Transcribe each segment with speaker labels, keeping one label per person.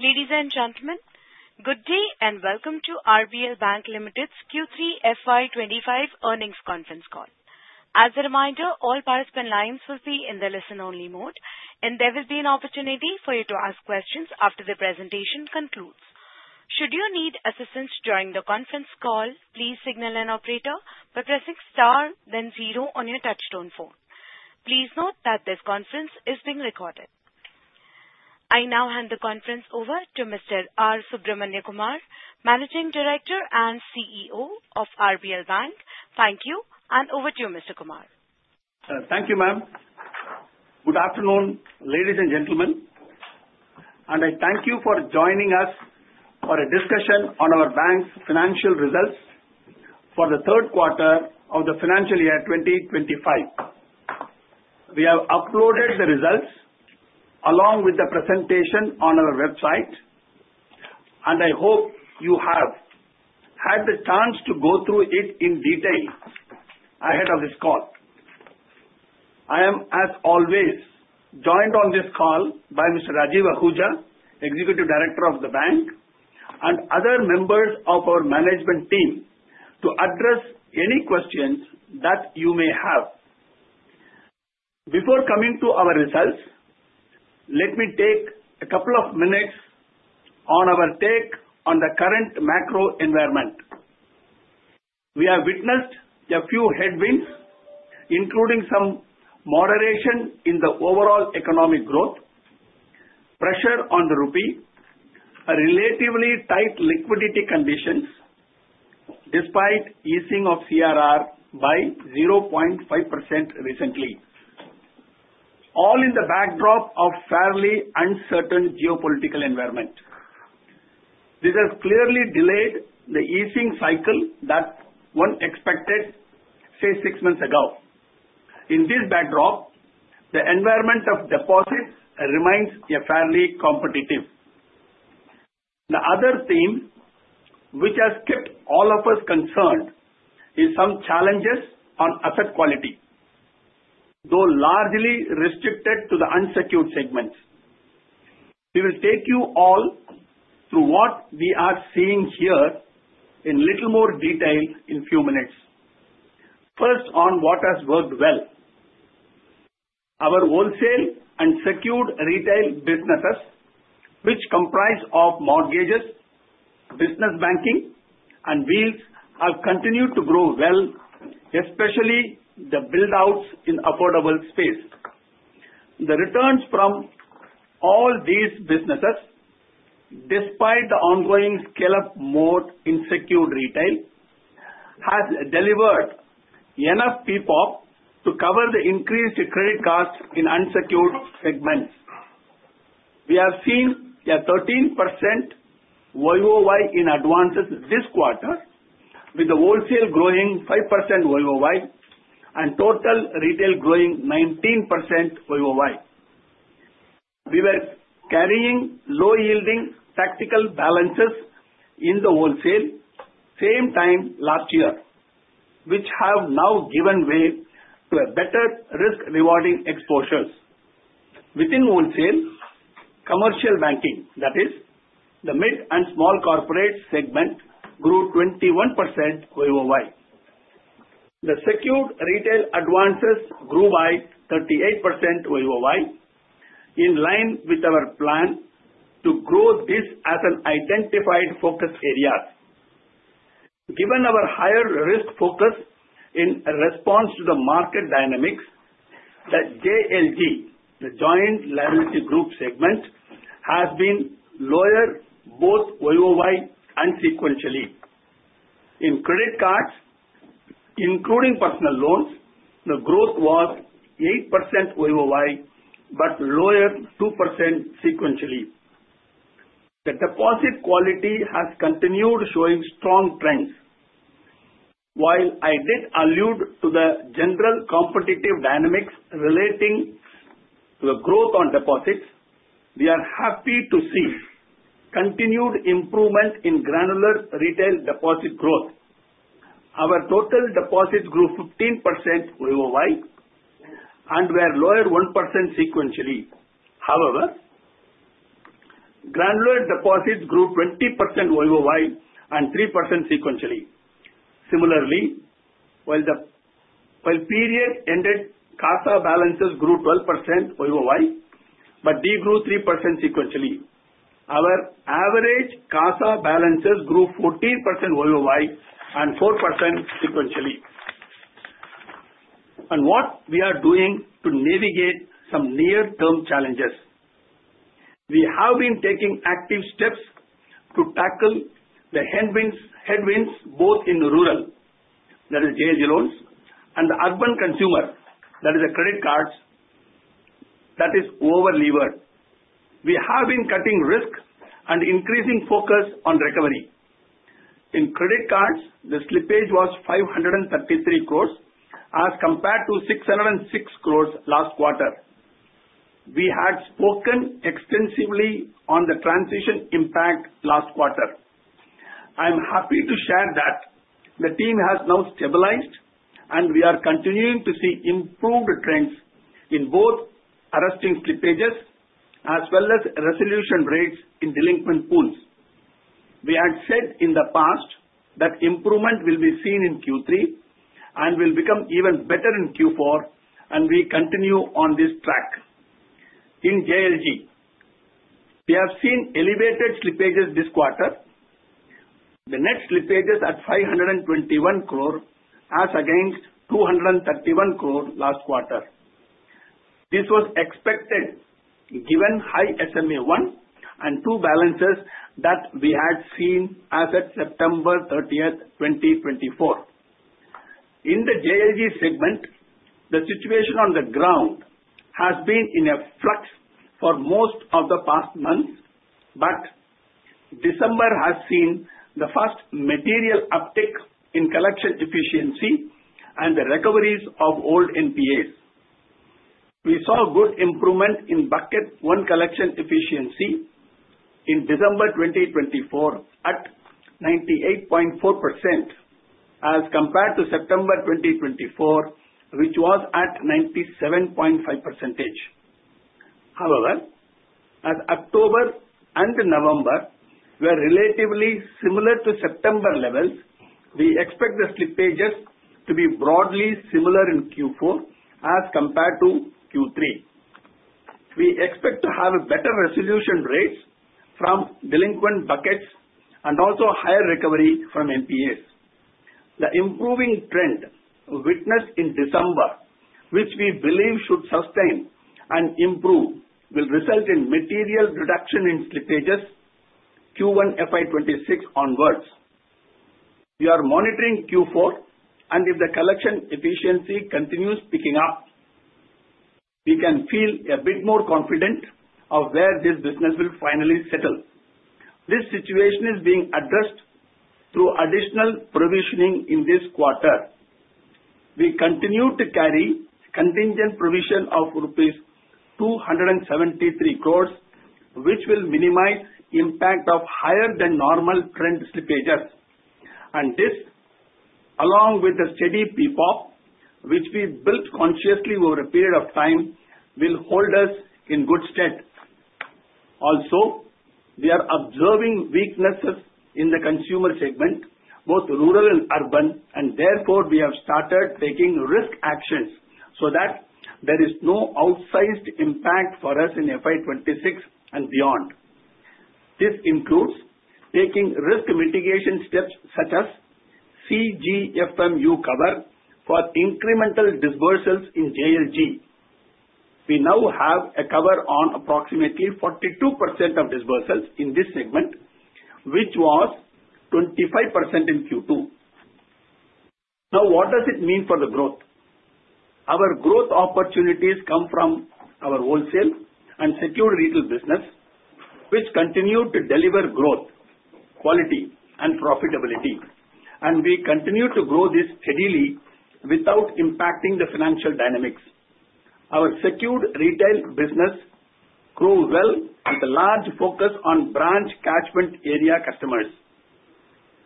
Speaker 1: Ladies and gentlemen, good day and welcome to RBL Bank Limited's Q3 FY25 earnings conference call. As a reminder, all participant lines will be in the listen-only mode, and there will be an opportunity for you to ask questions after the presentation concludes. Should you need assistance during the conference call, please signal an operator by pressing star, then zero on your touch-tone phone. Please note that this conference is being recorded. I now hand the conference over to Mr. R. Subramaniakumar, Managing Director and CEO of RBL Bank. Thank you, and over to you, Mr. Kumar.
Speaker 2: Thank you, ma'am. Good afternoon, ladies and gentlemen. And I thank you for joining us for a discussion on our bank's financial results for the third quarter of the financial year 2025. We have uploaded the results along with the presentation on our website, and I hope you have had the chance to go through it in detail ahead of this call. I am, as always, joined on this call by Mr. Rajiv Ahuja, Executive Director of the bank, and other members of our management team to address any questions that you may have. Before coming to our results, let me take a couple of minutes on our take on the current macro environment. We have witnessed a few headwinds, including some moderation in the overall economic growth, pressure on the rupee, and relatively tight liquidity conditions despite easing of CRR by 0.5% recently, all in the backdrop of a fairly uncertain geopolitical environment. This has clearly delayed the easing cycle that one expected, say, six months ago. In this backdrop, the environment of deposits remains fairly competitive. The other theme, which has kept all of us concerned, is some challenges on asset quality, though largely restricted to the unsecured segments. We will take you all through what we are seeing here in a little more detail in a few minutes. First, on what has worked well. Our wholesale and secured retail businesses, which comprise of mortgages, business banking, and Wheels, have continued to grow well, especially the build-outs in affordable space. The returns from all these businesses, despite the ongoing scale-up mode in secured retail, have delivered enough PPOP to cover the increased credit costs in unsecured segments. We have seen a 13% YoY in advances this quarter, with the wholesale growing 5% YoY and total retail growing 19% YoY. We were carrying low-yielding tactical balances in the wholesale same time last year, which have now given way to better risk-rewarding exposures. Within wholesale, commercial banking, that is, the mid and small corporate segment, grew 21% YoY. The secured retail advances grew by 38% YoY, in line with our plan to grow this as an identified focus area. Given our higher risk focus in response to the market dynamics, the JLG, the Joint Liability Group segment, has been lower both YoY and sequentially. In credit cards, including personal loans, the growth was 8% YoY but lower 2% sequentially. The deposit quality has continued showing strong trends. While I did allude to the general competitive dynamics relating to the growth on deposits, we are happy to see continued improvement in granular retail deposit growth. Our total deposits grew 15% YoY and were lower 1% sequentially. However, granular deposits grew 20% YoY and 3% sequentially. Similarly, while period-ended CASA balances grew 12% YoY but degrew 3% sequentially, our average CASA balances grew 14% YoY and 4% sequentially. And what we are doing to navigate some near-term challenges, we have been taking active steps to tackle the headwinds both in rural, that is, JLG loans, and the urban consumer, that is, the credit cards, that is, over-levered. We have been cutting risk and increasing focus on recovery. In credit cards, the slippage was 533 crore as compared to 606 crore last quarter. We had spoken extensively on the transition impact last quarter. I am happy to share that the team has now stabilized, and we are continuing to see improved trends in both arresting slippages as well as resolution rates in delinquent pools. We had said in the past that improvement will be seen in Q3 and will become even better in Q4, and we continue on this track. In JLG, we have seen elevated slippages this quarter. The net slippages at 521 crore are against 231 crore last quarter. This was expected given high SMA 1 and 2 balances that we had seen as of September 30, 2024. In the JLG segment, the situation on the ground has been in a flux for most of the past months, but December has seen the first material uptick in collection efficiency and the recoveries of old NPAs. We saw good improvement in bucket one collection efficiency in December 2024 at 98.4% as compared to September 2024, which was at 97.5%. However, as October and November were relatively similar to September levels, we expect the slippages to be broadly similar in Q4 as compared to Q3. We expect to have better resolution rates from delinquent buckets and also higher recovery from NPAs. The improving trend witnessed in December, which we believe should sustain and improve, will result in material reduction in slippages Q1 FY26 onwards. We are monitoring Q4, and if the collection efficiency continues picking up, we can feel a bit more confident of where this business will finally settle. This situation is being addressed through additional provisioning in this quarter. We continue to carry contingent provision of rupees 273 crore, which will minimize impact of higher-than-normal trend slippages. And this, along with the steady PPOP, which we built consciously over a period of time, will hold us in good stead. Also, we are observing weaknesses in the consumer segment, both rural and urban, and therefore we have started taking risk actions so that there is no outsized impact for us in FY26 and beyond. This includes taking risk mitigation steps such as CGFMU cover for incremental disbursals in JLG. We now have a cover on approximately 42% of disbursals in this segment, which was 25% in Q2. Now, what does it mean for the growth? Our growth opportunities come from our wholesale and secured retail business, which continue to deliver growth, quality, and profitability. And we continue to grow this steadily without impacting the financial dynamics. Our secured retail business grew well with a large focus on branch catchment area customers.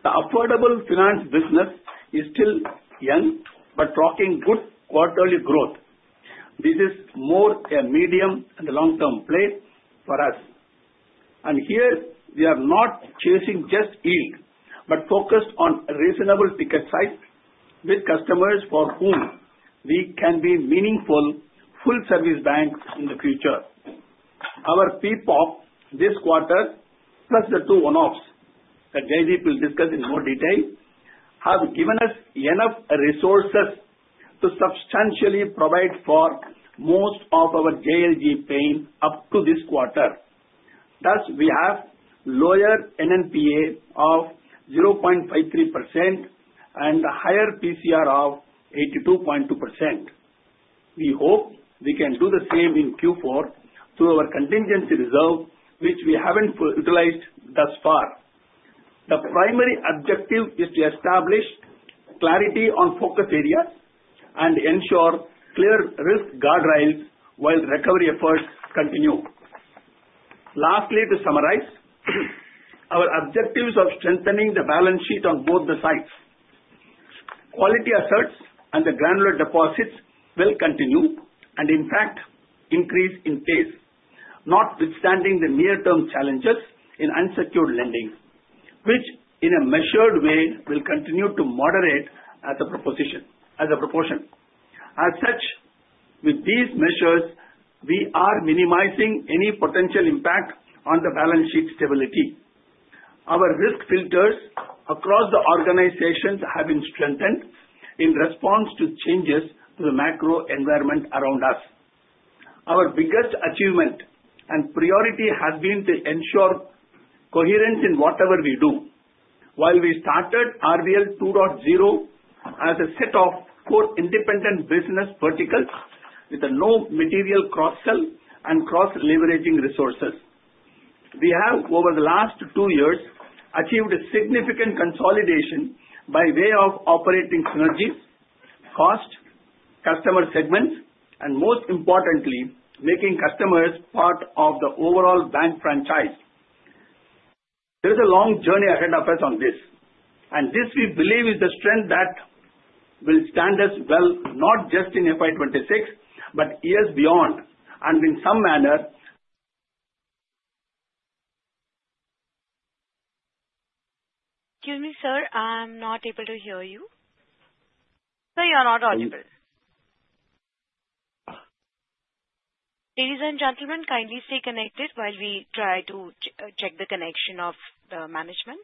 Speaker 2: The Affordable Finance business is still young but rocking good quarterly growth. This is more a medium and long-term play for us. And here, we are not chasing just yield but focused on reasonable ticket size with customers for whom we can be meaningful full-service banks in the future. Our PPOP this quarter, plus the two one-offs that Jaideep will discuss in more detail, have given us enough resources to substantially provide for most of our JLG pain up to this quarter. Thus, we have lower Net NPA of 0.53% and a higher PCR of 82.2%. We hope we can do the same in Q4 through our contingency reserve, which we haven't utilized thus far. The primary objective is to establish clarity on focus areas and ensure clear risk guardrails while recovery efforts continue. Lastly, to summarize, our objectives of strengthening the balance sheet on both the sides, quality assets and the granular deposits will continue and, in fact, increase in pace, notwithstanding the near-term challenges in unsecured lending, which in a measured way will continue to moderate as a proportion. As such, with these measures, we are minimizing any potential impact on the balance sheet stability. Our risk filters across the organizations have been strengthened in response to changes to the macro environment around us. Our biggest achievement and priority has been to ensure coherence in whatever we do. While we started RBL 2.0 as a set of four independent business verticals with no material cross-sell and cross-leveraging resources, we have, over the last two years, achieved significant consolidation by way of operating synergies, cost, customer segments, and most importantly, making customers part of the overall bank franchise. There is a long journey ahead of us on this, and this we believe is the strength that will stand us well not just in FY26 but years beyond and in some manner.
Speaker 1: Excuse me, sir. I'm not able to hear you. No, you're not audible. Ladies and gentlemen, kindly stay connected while we try to check the connection of the management.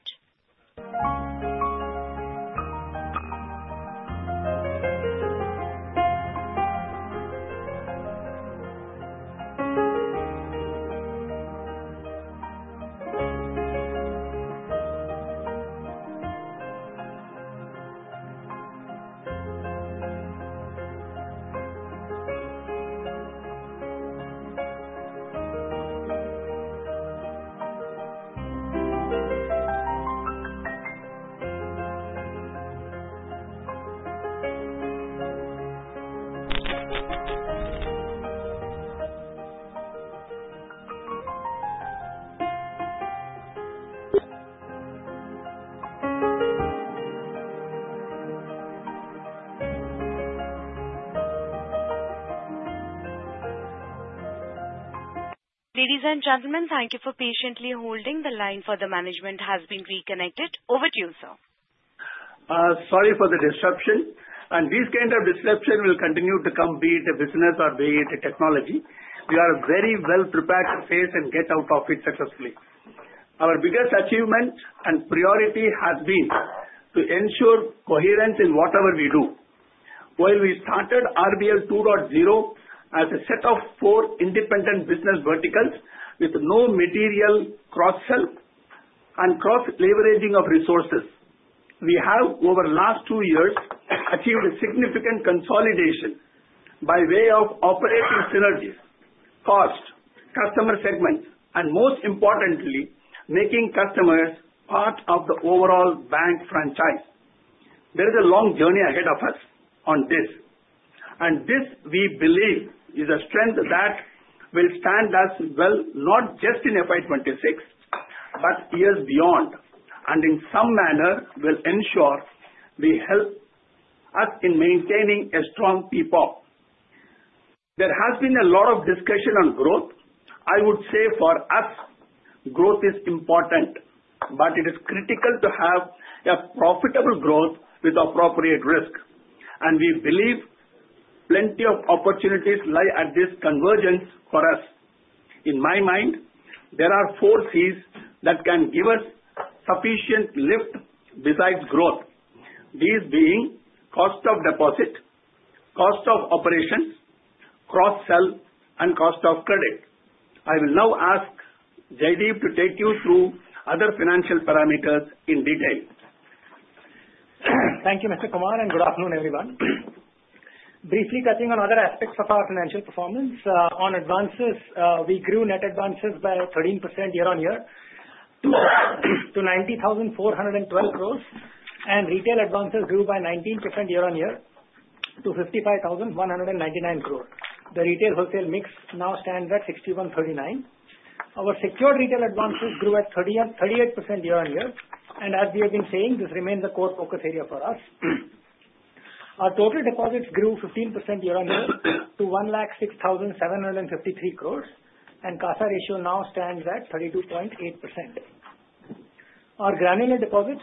Speaker 1: Ladies and gentlemen, thank you for patiently holding. The line for the management has been reconnected.
Speaker 2: Over to you, sir. Sorry for the disruption, and this kind of disruption will continue to come be it a business or be it a technology. We are very well prepared to face and get out of it successfully. Our biggest achievement and priority has been to ensure coherence in whatever we do. While we started RBL 2.0 as a set of four independent business verticals with no material cross-sell and cross-leveraging of resources, we have, over the last two years, achieved a significant consolidation by way of operating synergies, cost, customer segments, and most importantly, making customers part of the overall bank franchise. There is a long journey ahead of us on this. And this, we believe, is a strength that will stand us well not just in FY26 but years beyond and in some manner will ensure we help us in maintaining a strong PPOP. There has been a lot of discussion on growth. I would say for us, growth is important, but it is critical to have a profitable growth with appropriate risk. And we believe plenty of opportunities lie at this convergence for us. In my mind, there are four Cs that can give us sufficient lift besides growth, these being cost of deposit, cost of operations, cross-sell, and cost of credit. I will now ask Jaideep to take you through other financial parameters in detail.
Speaker 3: Thank you, Mr. Kumar, and good afternoon, everyone. Briefly touching on other aspects of our financial performance, on advances, we grew net advances by 13% year-on-year to 90,412 crore, and retail advances grew by 19% year-on-year to 55,199 crore. The retail wholesale mix now stands at 61:39. Our secured retail advances grew at 38% year-on-year, and as we have been saying, this remains a core focus area for us. Our total deposits grew 15% year-on-year to 106,753 crore, and CASA ratio now stands at 32.8%. Our granular deposits,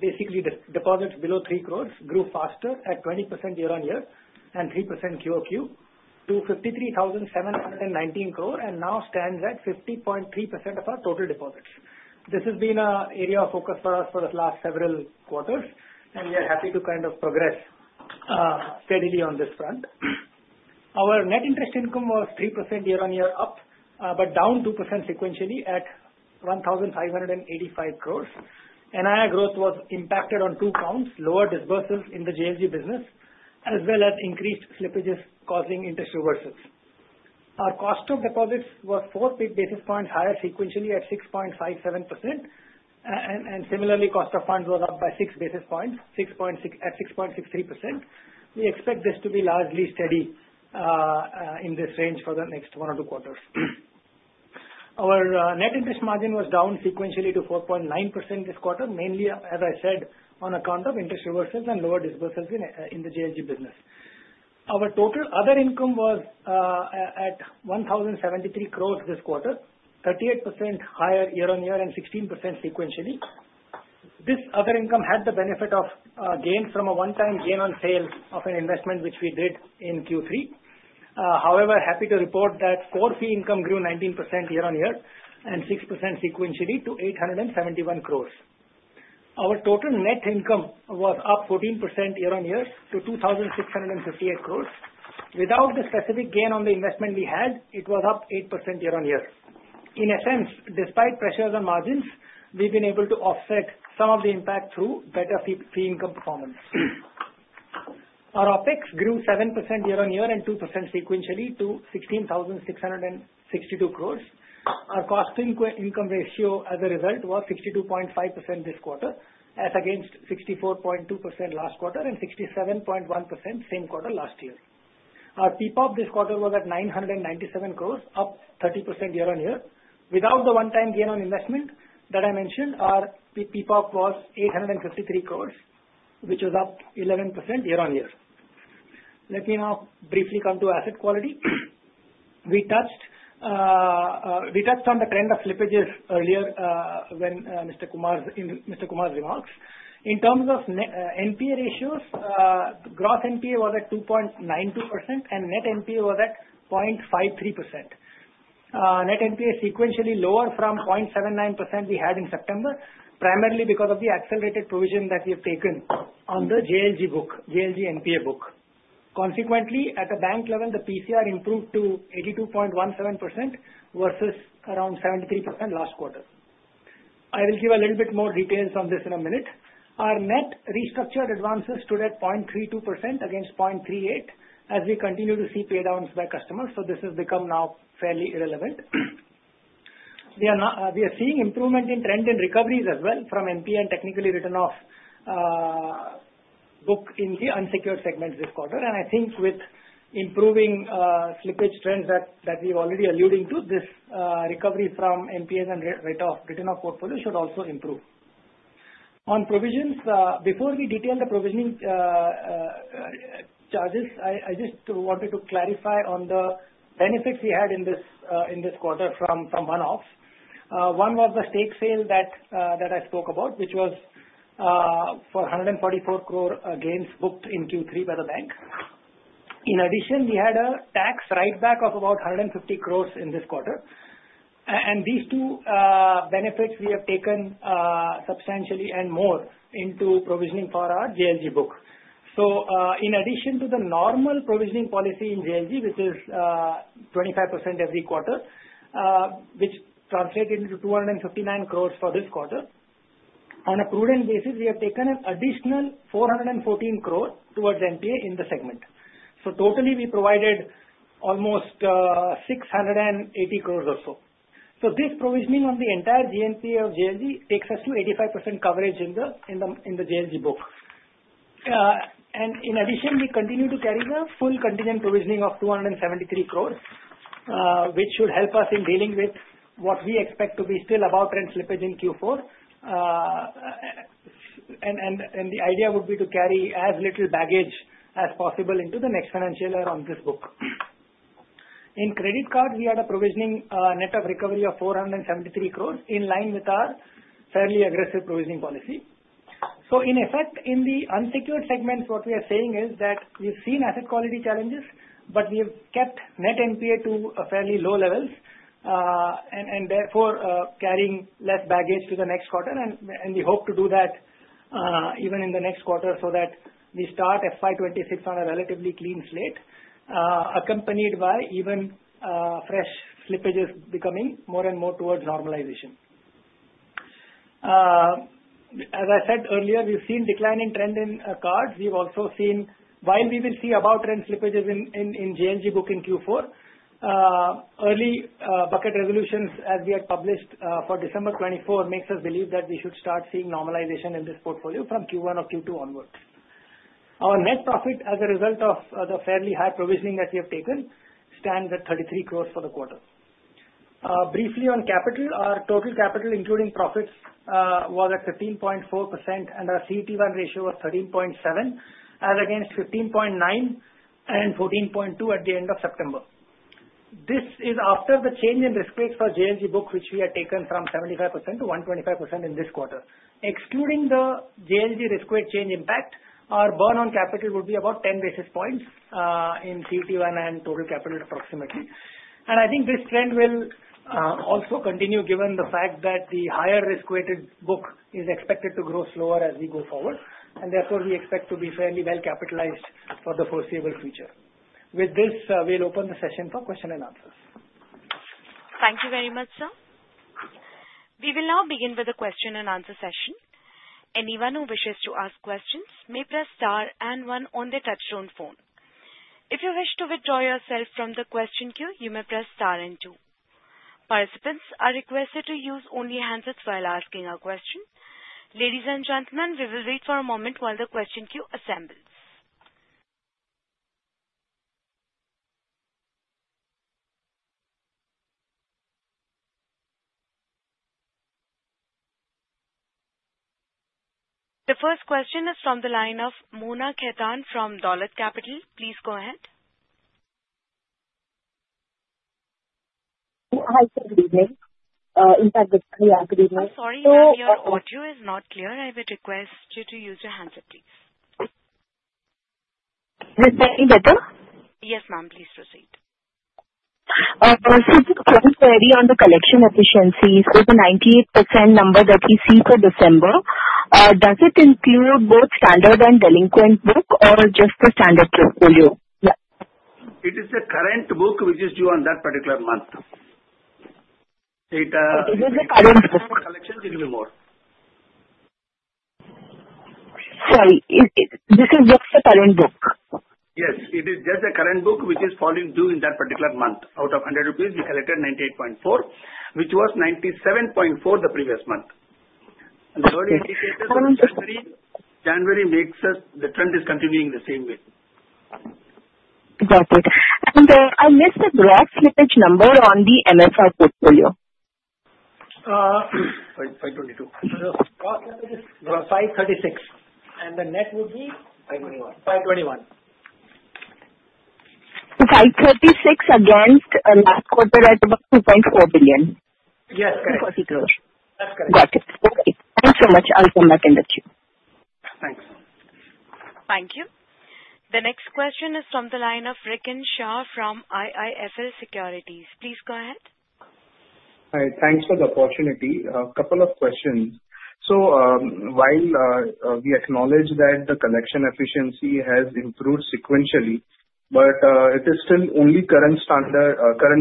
Speaker 3: basically deposits below 3 crore, grew faster at 20% year-on-year and 3% QoQ to 53,719 crore and now stands at 50.3% of our total deposits. This has been an area of focus for us for the last several quarters, and we are happy to kind of progress steadily on this front. Our net interest income was 3% year-on-year up but down 2% sequentially at 1,585 crore. NII growth was impacted on two counts, lower disbursals in the JLG business as well as increased slippages causing interest reversals. Our cost of deposits was four basis points higher sequentially at 6.57%, and similarly, cost of funds was up by six basis points at 6.63%. We expect this to be largely steady in this range for the next one or two quarters. Our net interest margin was down sequentially to 4.9% this quarter, mainly, as I said, on account of interest reversals and lower disbursals in the JLG business. Our total other income was at 1,073 crore this quarter, 38% higher year-on-year and 16% sequentially. This other income had the benefit of gain from a one-time gain on sale of an investment, which we did in Q3. However, happy to report that core fee income grew 19% year-on-year and 6% sequentially to 871 crore. Our total net income was up 14% year-on-year to 2,658 crore. Without the specific gain on the investment we had, it was up 8% year-on-year. In a sense, despite pressures on margins, we've been able to offset some of the impact through better fee income performance. Our OPEX grew 7% year-on-year and 2% sequentially to 16,662 crore. Our cost income ratio, as a result, was 62.5% this quarter, as against 64.2% last quarter and 67.1% same quarter last year. Our PPOP this quarter was at 997 crore, up 30% year-on-year. Without the one-time gain on investment that I mentioned, our PPOP was 853 crore, which was up 11% year-on-year. Let me now briefly come to asset quality. We touched on the trend of slippages earlier in Mr. Kumar's remarks. In terms of NPA ratios, gross NPA was at 2.92% and net NPA was at 0.53%. Net NPA sequentially lower from 0.79% we had in September, primarily because of the accelerated provision that we have taken on the JLG NPA book. Consequently, at the bank level, the PCR improved to 82.17% versus around 73% last quarter. I will give a little bit more details on this in a minute. Our net restructured advances stood at 0.32% against 0.38% as we continue to see paydowns by customers, so this has become now fairly irrelevant. We are seeing improvement in trend and recoveries as well from NPA and technically return of book in the unsecured segments this quarter, and I think with improving slippage trends that we were already alluding to, this recovery from NPAs and return of portfolio should also improve. On provisions, before we detail the provisioning charges, I just wanted to clarify on the benefits we had in this quarter from one-offs. One was the stake sale that I spoke about, which was for 144 crore gains booked in Q3 by the bank. In addition, we had a tax write-back of about 150 crore in this quarter, and these two benefits we have taken substantially and more into provisioning for our JLG book. So in addition to the normal provisioning policy in JLG, which is 25% every quarter, which translated into 259 crore for this quarter, on a prudent basis, we have taken an additional 414 crore towards NPA in the segment. So totally, we provided almost 680 crore or so. So this provisioning on the entire gross NPA of JLG takes us to 85% coverage in the JLG book. And in addition, we continue to carry the full contingent provisioning of 273 crore, which should help us in dealing with what we expect to be still above trend slippage in Q4. And the idea would be to carry as little baggage as possible into the next financial year on this book. In credit cards, we had a provisioning net of recovery of 473 crore in line with our fairly aggressive provisioning policy. So in effect, in the unsecured segments, what we are saying is that we've seen asset quality challenges, but we have kept Net NPA to fairly low levels and therefore carrying less baggage to the next quarter. And we hope to do that even in the next quarter so that we start FY26 on a relatively clean slate, accompanied by even fresh slippages becoming more and more towards normalization. As I said earlier, we've seen declining trend in cards. We've also seen, while we will see above trend slippages in JLG book in Q4, early bucket resolutions as we had published for December 2024 makes us believe that we should start seeing normalization in this portfolio from Q1 or Q2 onwards. Our net profit as a result of the fairly high provisioning that we have taken stands at 33 crore for the quarter. Briefly on capital, our total capital including profits was at 15.4%, and our CET1 ratio was 13.7, as against 15.9 and 14.2 at the end of September. This is after the change in risk weights for JLG book, which we had taken from 75% to 125% in this quarter. Excluding the JLG risk weight change impact, our burn on capital would be about 10 basis points in CET1 and total capital approximately. And I think this trend will also continue given the fact that the higher risk-weighted book is expected to grow slower as we go forward, and therefore we expect to be fairly well capitalized for the foreseeable future. With this, we'll open the session for question-and-answers.
Speaker 1: Thank you very much, sir. We will now begin with the question-and-answer session. Anyone who wishes to ask questions may press star and one on the touch-tone phone. If you wish to withdraw yourself from the question queue, you may press star and two. Participants are requested to use only handsets while asking a question. Ladies and gentlemen, we will wait for a moment while the question queue assembles. The first question is from the line of Mona Khetan from Dolat Capital. Please go ahead.
Speaker 4: Hi, good evening. In fact, good evening.
Speaker 1: Oh, sorry, your audio is not clear. I would request you to use your handset, please.
Speaker 4: Is this any better?
Speaker 1: Yes, ma'am. Please proceed.
Speaker 4: Since it's very clear on the collection efficiencies, with the 98% number that we see for December, does it include both standard and delinquent book or just the standard portfolio?
Speaker 2: It is the current book which is due on that particular month. It is the current book. Collections will be more.
Speaker 4: Sorry. This is just the current book?
Speaker 2: Yes. It is just the current book which is falling due in that particular month. Out of 100 rupees, we collected 98.4%, which was 97.4% the previous month. And the early indicators of January makes us the trend is continuing the same way.
Speaker 4: Got it. And I missed the gross slippage number on the MFI portfolio.
Speaker 5: 522.
Speaker 3: Gross slippage is 536. And the net would be?
Speaker 5: 521.
Speaker 3: 521.
Speaker 4: 536 against last quarter at about 2.4 billion.
Speaker 3: Yes, correct. 2.4 crore. That's correct. Got it. Okay. Thanks so much. I'll come back in the queue.
Speaker 2: Thanks.
Speaker 1: Thank you. The next question is from the line of Rikin Shah from IIFL Securities. Please go ahead.
Speaker 6: Hi. Thanks for the opportunity. A couple of questions. So while we acknowledge that the collection efficiency has improved sequentially, but it is still only current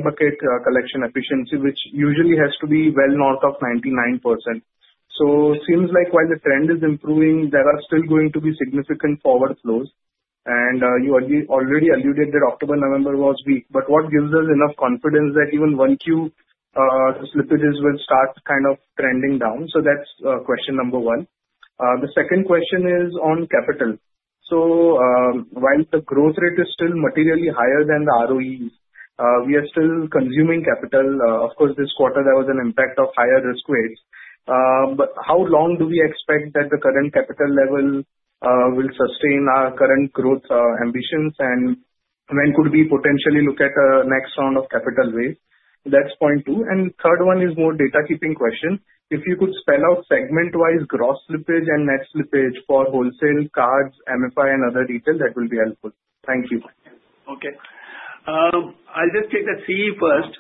Speaker 6: bucket collection efficiency, which usually has to be well north of 99%. So it seems like while the trend is improving, there are still going to be significant forward flows. And you already alluded that October, November was weak. But what gives us enough confidence that even 1Q slippages will start kind of trending down? So that's question number one. The second question is on capital. So while the growth rate is still materially higher than the ROEs, we are still consuming capital. Of course, this quarter, there was an impact of higher risk weights. But how long do we expect that the current capital level will sustain our current growth ambitions? And when could we potentially look at a next round of capital wave? That's point two. And third one is more data-keeping question. If you could spell out segment-wise gross slippage and net slippage for wholesale, cards, MFI, and other detail, that will be helpful. Thank you.
Speaker 2: Okay. I'll just take the CE first.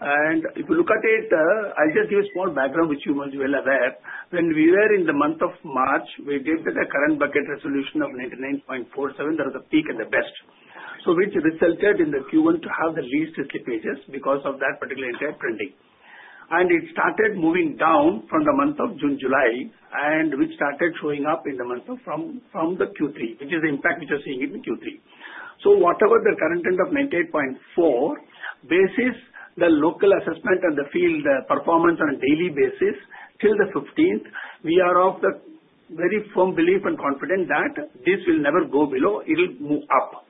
Speaker 2: And if you look at it, I'll just give a small background which you must well aware. When we were in the month of March, we did the current bucket resolution of 99.47%. That was the peak and the best. So which resulted in the Q1 to have the least slippages because of that particular entire trending. And it started moving down from the month of June, July, and which started showing up in the month from the Q3, which is the impact which you're seeing in Q3. Whatever the current trend of 98.4%, the local assessment and the field performance on a daily basis till the 15th, we are of the very firm belief and confidence that this will never go below. It will move up.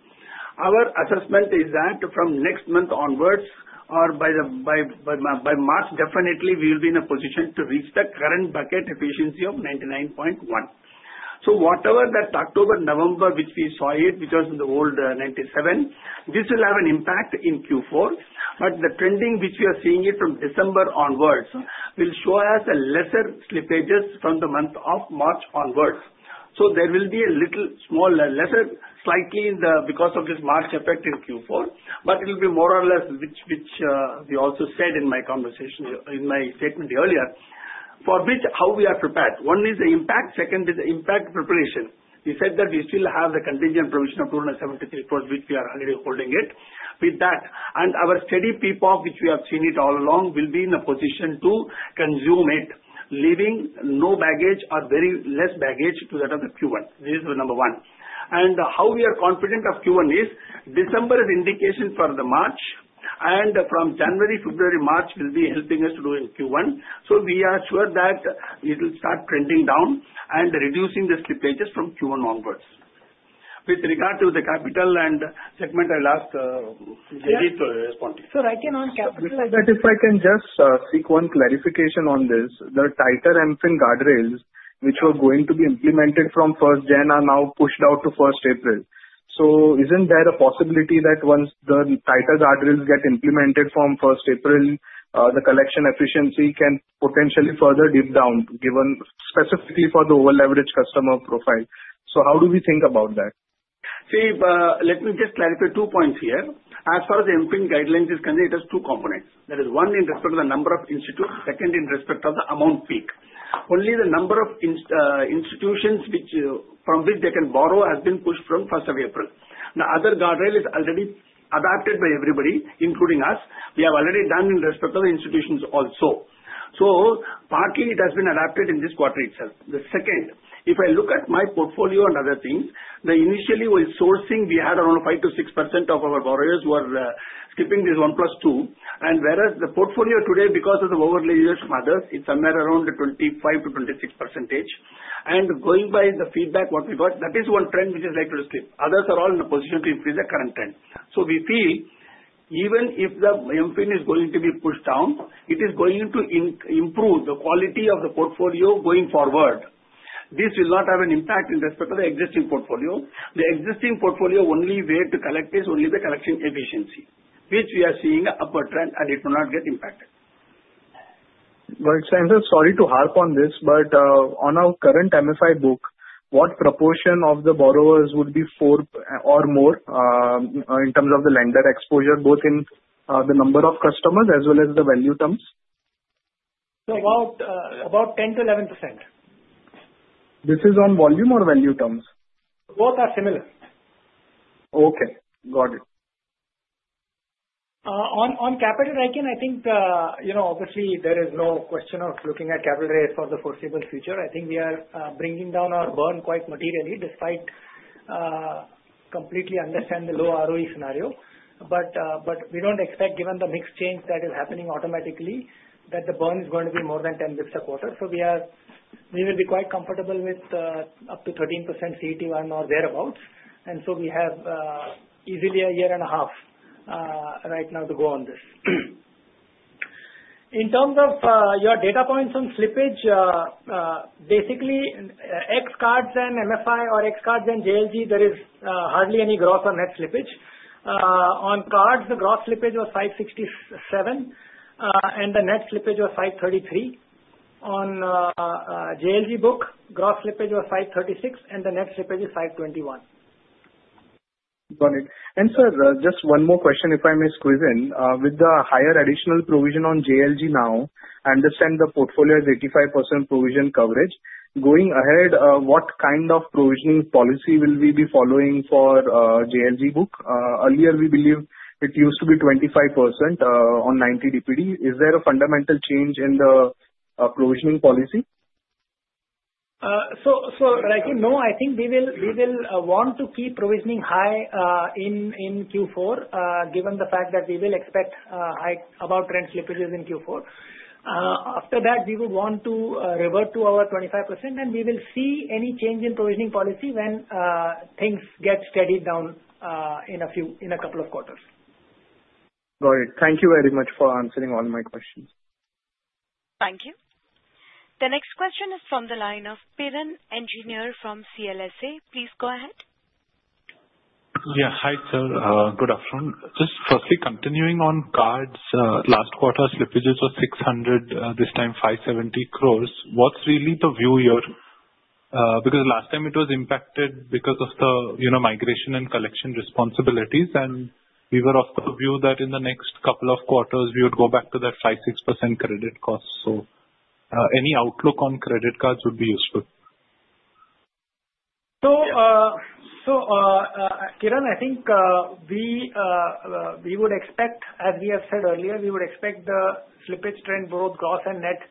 Speaker 2: Our assessment is that from next month onwards or by March, definitely we will be in a position to reach the current bucket efficiency of 99.1%. Whatever that October, November, which we saw it, which was in the old 97%, this will have an impact in Q4. But the trending which we are seeing it from December onwards will show us lesser slippages from the month of March onwards. So there will be a little small, lesser slightly because of this March effect in Q4, but it will be more or less which we also said in my statement earlier for which how we are prepared. One is the impact. Second is the impact preparation. We said that we still have the contingent provision of 273 crore, which we are already holding it with that. And our steady PPOP, which we have seen it all along, will be in a position to consume it, leaving no baggage or very less baggage to that of the Q1. This is number one. And how we are confident of Q1 is December is indication for the March, and from January, February, March will be helping us to do in Q1. So we are sure that it will start trending down and reducing the slippages from Q1 onwards. With regard to the capital and segment, I'll ask Rikin to respond.
Speaker 3: Sorry, I can only capitalize.
Speaker 6: That if I can just seek one clarification on this. The tighter MFIN guardrails, which were going to be implemented from 1st January, are now pushed out to 1st April. So isn't there a possibility that once the tighter guardrails get implemented from 1st April, the collection efficiency can potentially further dip down given specifically for the over-leveraged customer profile? So how do we think about that?
Speaker 2: See, let me just clarify two points here. As far as the MFIN guidelines is concerned, it has two components. That is one in respect of the number of institutions, second in respect of the indebtedness. Only the number of institutions from which they can borrow has been pushed from 1st of April. The other guardrail is already adopted by everybody, including us. We have already done in respect of the institutions also. So partly, it has been adopted in this quarter itself. The second, if I look at my portfolio and other things, initially we were sourcing, we had around 5%-6% of our borrowers who were slipping this 1 plus 2. Whereas the portfolio today, because of the over-leveraged borrowers, it's somewhere around 25%-26%. Going by the feedback what we got, that is one trend which is likely to slip. Others are all in a position to increase the current trend. We feel even if the MFIN is going to be pushed down, it is going to improve the quality of the portfolio going forward. This will not have an impact in respect of the existing portfolio. The existing portfolio only way to collect is only the collection efficiency, which we are seeing an upper trend, and it will not get impacted.
Speaker 6: So, sir sorry to harp on this, but on our current MFI book, what proportion of the borrowers would be four or more in terms of the lender exposure, both in the number of customers as well as the value terms?
Speaker 2: So about 10%-11%. This is on volume or value terms? Both are similar.
Speaker 6: Okay. Got it.
Speaker 3: On capital raising, I think obviously there is no question of looking at capital raising for the foreseeable future. I think we are bringing down our burn quite materially despite completely understanding the low ROE scenario. But we don't expect, given the macro changes that are happening automatically, that the burn is going to be more than 10 basis points a quarter. So we will be quite comfortable with up to 13% CET1 or thereabouts. And so we have easily a year and a half right now to go on this. In terms of your data points on slippage, basically X cards and MFI or X cards and JLG, there is hardly any gross or net slippage. On cards, the gross slippage was 567, and the net slippage was 533. On JLG book, gross slippage was 536, and the net slippage is 521. Got it.
Speaker 6: And sir, just one more question if I may squeeze in. With the higher additional provision on JLG now, I understand the portfolio has 85% provision coverage. Going ahead, what kind of provisioning policy will we be following for JLG book? Earlier, we believe it used to be 25% on 90 DPD. Is there a fundamental change in the provisioning policy?
Speaker 3: So Rikin, no. I think we will want to keep provisioning high in Q4 given the fact that we will expect above trend slippages in Q4. After that, we would want to revert to our 25%, and we will see any change in provisioning policy when things get steadied down in a couple of quarters.
Speaker 6: Got it. Thank you very much for answering all my questions.
Speaker 1: Thank you. The next question is from the line of Piran Engineer from CLSA. Please go ahead.
Speaker 7: Yeah. Hi, sir. Good afternoon. Just firstly, continuing on cards, last quarter slippages were 600 crores, this time 570 crores. What's really the view here? Because last time it was impacted because of the migration and collection responsibilities, and we were of the view that in the next couple of quarters, we would go back to that 5%-6% credit cost. So any outlook on credit cards would be useful.
Speaker 3: Piran, I think we would expect, as we have said earlier, we would expect the slippage trend, both gross and net,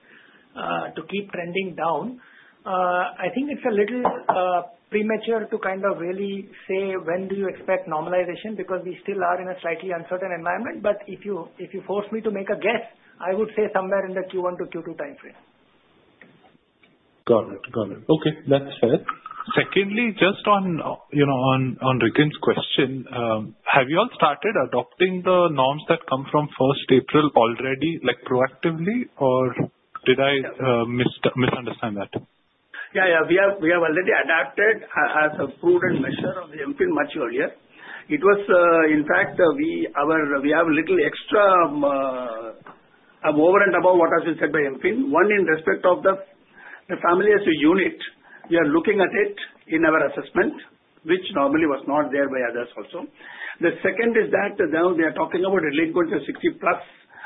Speaker 3: to keep trending down. I think it is a little premature to kind of really say when do you expect normalization because we still are in a slightly uncertain environment. But if you force me to make a guess, I would say somewhere in the Q1 to Q2 timeframe.
Speaker 7: Got it. Got it. Okay. That is fair. Secondly, just on Rikin's question, have you all started adopting the norms that come from 1st April already proactively, or did I misunderstand tha
Speaker 2: t? Yeah. Yeah. We have already adopted as a prudent measure from MFIN much earlier. It was, in fact, we have a little extra over and above what has been said by MFIN. One, in respect of the family as a unit, we are looking at it in our assessment, which normally was not there by others also. The second is that now we are talking about delinquent 60 plus,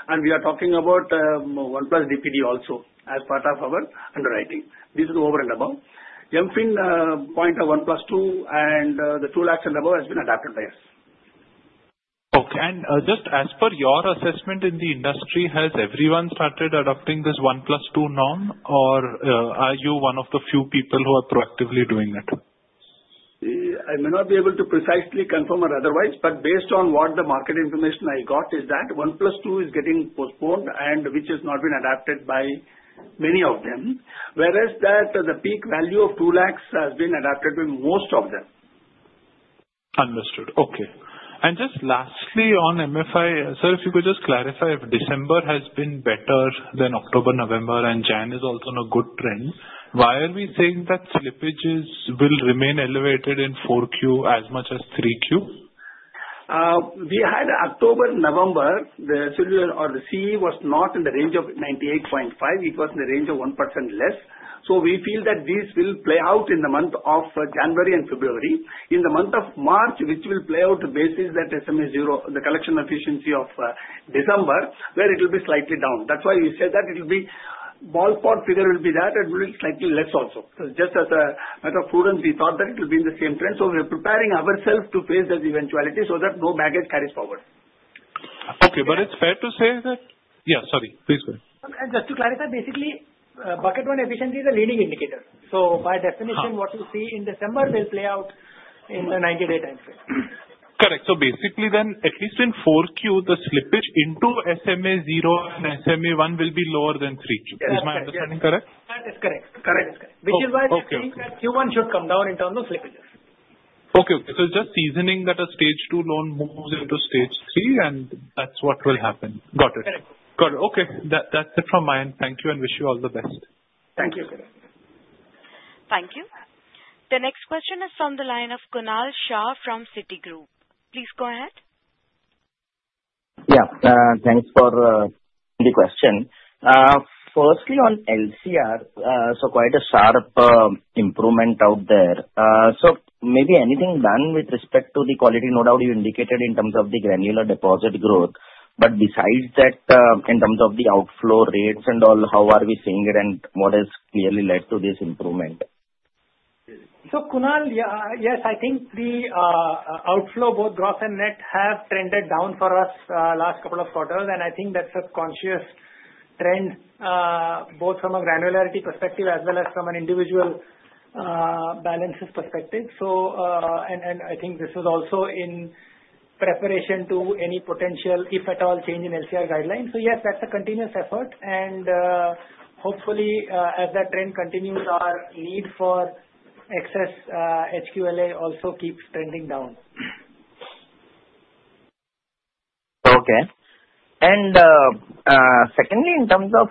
Speaker 2: and we are talking about 1 plus DPD also as part of our underwriting. This is over and above. MFIN point of 1 plus 2 and the 2 lakhs and above has been adopted by us.
Speaker 7: Okay. And just as per your assessment in the industry, has everyone started adopting this 1 plus 2 norm, or are you one of the few people who are proactively doing it?
Speaker 2: I may not be able to precisely confirm or otherwise, but based on what the market information I got is that 1 plus 2 is getting postponed and which has not been adopted by many of them, whereas the peak value of 2 lakhs has been adopted by most of them. Understood. Okay. And just lastly on MFI, sir, if you could just clarify if December has been better than October, November, and January is also in a good trend, why are we saying that slippages will remain elevated in 4Q as much as 3Q? We had October, November, the CE was not in the range of 98.5%. It was in the range of 1% less. So we feel that this will play out in the month of January and February. In the month of March, which will play out to basis that SMA 0, the collection efficiency of December, where it will be slightly down. That's why we said that it will be ballpark figure will be that and will be slightly less also. Just as a matter of prudence, we thought that it will be in the same trend. So we are preparing ourselves to face that eventuality so that no baggage carries forward.
Speaker 7: Okay. But it's fair to say that yeah. Sorry. Please go ahead.
Speaker 3: Just to clarify, basically, bucket one efficiency is a leading indicator. So by definition, what you see in December will play out in the 90-day timeframe.
Speaker 7: Correct. So basically then, at least in 4Q, the slippage into SMA 0 and SMA 1 will be lower than 3Q. Is my understanding correct?
Speaker 3: That is correct. Correct.
Speaker 2: Which is why we think that Q1 should come down in terms of slippages.
Speaker 7: Okay. Okay. So it's just seasoning that a stage two loan moves into stage three, and that's what will happen. Got it. Got it. Okay. That's it from my end. Thank you and wish you all the best.
Speaker 3: Thank you.
Speaker 1: Thank you. The next question is from the line of Kunal Shah from Citigroup. Please go ahead.
Speaker 8: Yeah. Thanks for the question. Firstly, on LCR, so quite a sharp improvement out there. So maybe anything done with respect to the quality, no doubt you indicated in terms of the granular deposit growth. But besides that, in terms of the outflow rates and all, how are we seeing it and what has clearly led to this improvement?
Speaker 3: So Kunal, yes, I think the outflow, both gross and net, have trended down for us last couple of quarters. I think that's a conscious trend both from a granularity perspective as well as from an individual balance perspective. I think this is also in preparation to any potential, if at all, change in LCR guidelines. Yes, that's a continuous effort. Hopefully, as that trend continues, our need for excess HQLA also keeps trending down.
Speaker 8: Okay. Secondly, in terms of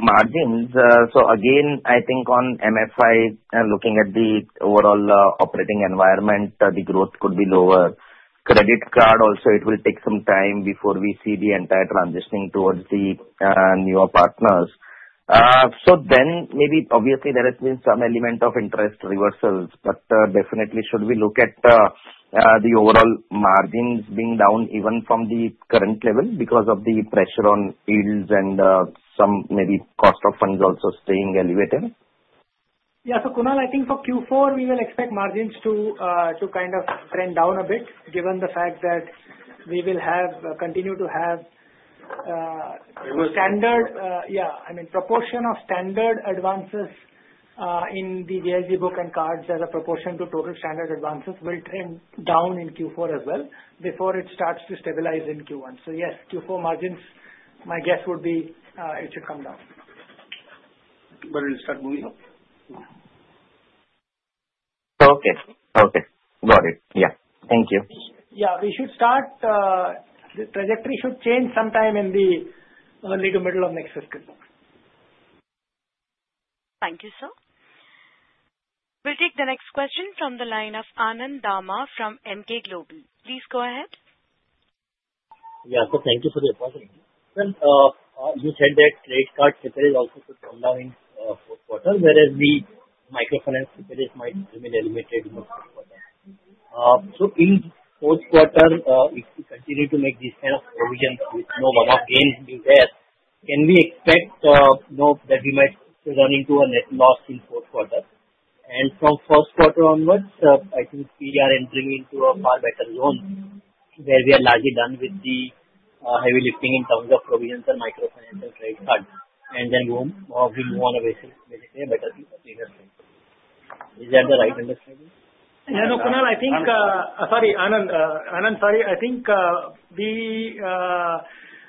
Speaker 8: margins, again, I think on MFI, looking at the overall operating environment, the growth could be lower. Credit card also, it will take some time before we see the entire transitioning towards the newer partners. Then maybe obviously there has been some element of interest reversals, but definitely should we look at the overall margins being down even from the current level because of the pressure on yields and some maybe cost of funds also staying elevated?
Speaker 3: Yeah. So Kunal, I think for Q4, we will expect margins to kind of trend down a bit given the fact that we will continue to have standard. I mean, proportion of standard advances in the JLG book and cards as a proportion to total standard advances will trend down in Q4 as well before it starts to stabilize in Q1. So yes, Q4 margins, my guess would be it should come down. But it will start moving up. Okay. Okay. Got it. Yeah. Thank you. Yeah. We should start the trajectory should change sometime in the early to middle of next fiscal year.
Speaker 1: Thank you, sir. We'll take the next question from the line of Anand Dama from Emkay Global. Please go ahead.
Speaker 9: Yeah. So thank you for the opportunity. Well, you said that credit card slippage also could come down in fourth quarter, whereas the microfinance slippage might remain elevated in the fourth quarter. So in fourth quarter, if we continue to make these kind of provisions with no one-off gains being there, can we expect that we might run into a net loss in fourth quarter? And from first quarter onwards, I think we are entering into a far better zone where we are largely done with the heavy lifting in terms of provisions and microfinance and credit card. And then we move on a basically better thing of the industry. Is that the right understanding?
Speaker 3: Yeah. No. Kunal, I think sorry, Anand. Anand, sorry. I think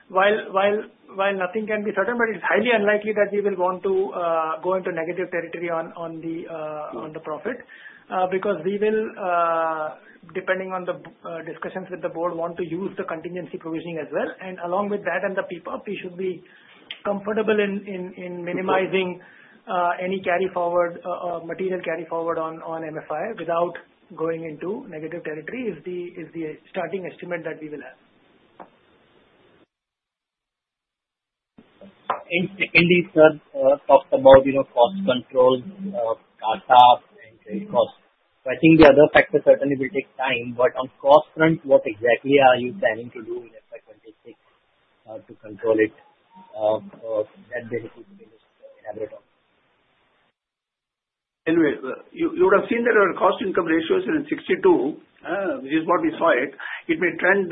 Speaker 3: while nothing can be certain, but it's highly unlikely that we will want to go into negative territory on the profit because we will, depending on the discussions with the board, want to use the contingency provisioning as well. Along with that and the PPOP, we should be comfortable in minimizing any carry forward, material carry forward on MFI without going into negative territory. This is the starting estimate that we will have.
Speaker 9: Secondly, sir, [you] talked about cost control of CASA and credit cost. The other factors certainly will take time. On cost front, what exactly are you planning to do in FY 26 to control it? That basically is the biggest inevitable.
Speaker 2: Anyway, you would have seen that our cost income ratio is at 62%, which is what we saw it. It may trend 1%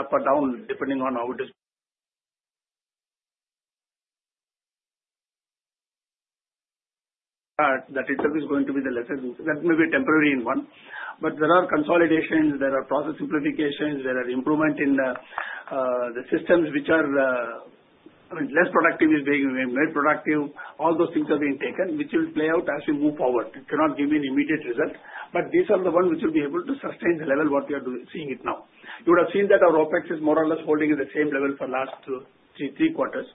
Speaker 2: up or down depending on how it is. That itself is going to be the lesser thing. That may be temporary in one. But there are consolidations, there are process simplifications, there are improvements in the systems which are less productive is being made productive. All those things are being taken, which will play out as we move forward. It cannot give me an immediate result. But these are the ones which will be able to sustain the level what we are seeing it now. You would have seen that our OpEx is more or less holding at the same level for last three quarters.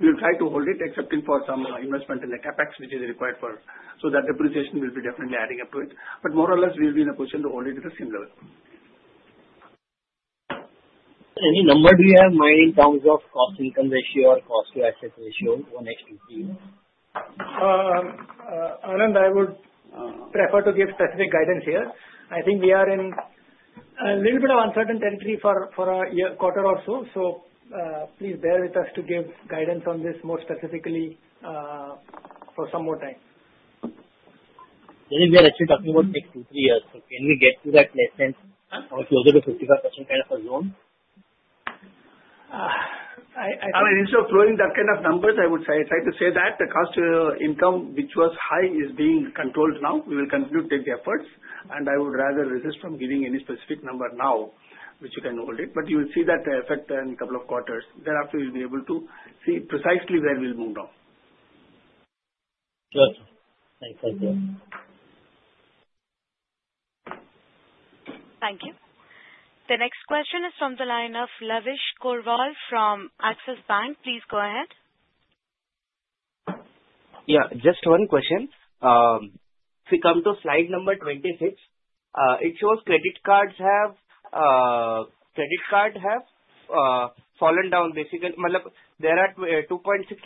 Speaker 2: We will try to hold it, excepting for some investment in the CAPEX, which is required for so that depreciation will be definitely adding up to it. But more or less, we will be in a position to hold it at the same level.
Speaker 9: Any numbers we have in terms of cost income ratio or cost to asset ratio for next Q3?
Speaker 2: Anand, I would prefer to give specific guidance here. I think we are in a little bit of uncertain territory for a quarter or so. So please bear with us to give guidance on this more specifically for some more time.
Speaker 9: Anyway, we are actually talking about next two to three years. So can we get to that less than or closer to 55% kind of a zone?
Speaker 2: I mean, instead of throwing that kind of numbers, I would say I tried to say that the cost to income, which was high, is being controlled now. We will continue to take the efforts. I would rather resist from giving any specific number now, which you can hold it. But you will see that effect in a couple of quarters. Thereafter, you'll be able to see precisely where we'll move down.
Speaker 9: Yes. Thank you.
Speaker 1: Thank you. The next question is from the line of Lavish Porwal from Axis Bank. Please go ahead.
Speaker 10: Yeah. Just one question. If we come to Slide 26, it shows credit cards have fallen down basically. There are 2.6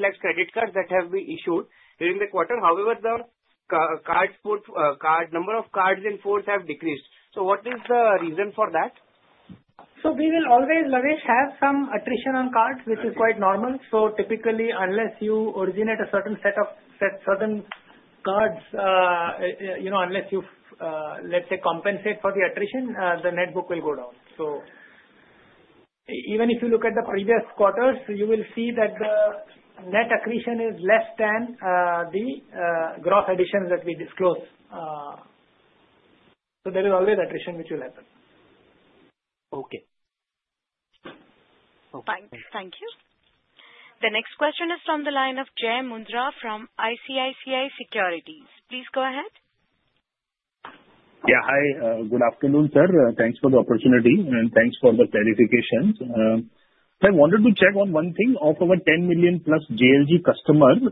Speaker 10: lakhs credit cards that have been issued during the quarter. However, the number of cards in force have decreased. So what is the reason for that?
Speaker 3: So we will always, Lavish, have some attrition on cards, which is quite normal. So typically, unless you originate a certain set of certain cards, unless you, let's say, compensate for the attrition, the net book will go down. So even if you look at the previous quarters, you will see that the net accretion is less than the gross additions that we disclose. So there is always attrition, which will happen.
Speaker 10: Okay. Okay.
Speaker 1: Thank you. The next question is from the line of Jai Mundhra from ICICI Securities. Please go ahead.
Speaker 11: Yeah. Hi. Good afternoon, sir. Thanks for the opportunity. And thanks for the clarifications. So I wanted to check on one thing. Of our 10 million plus JLG customers,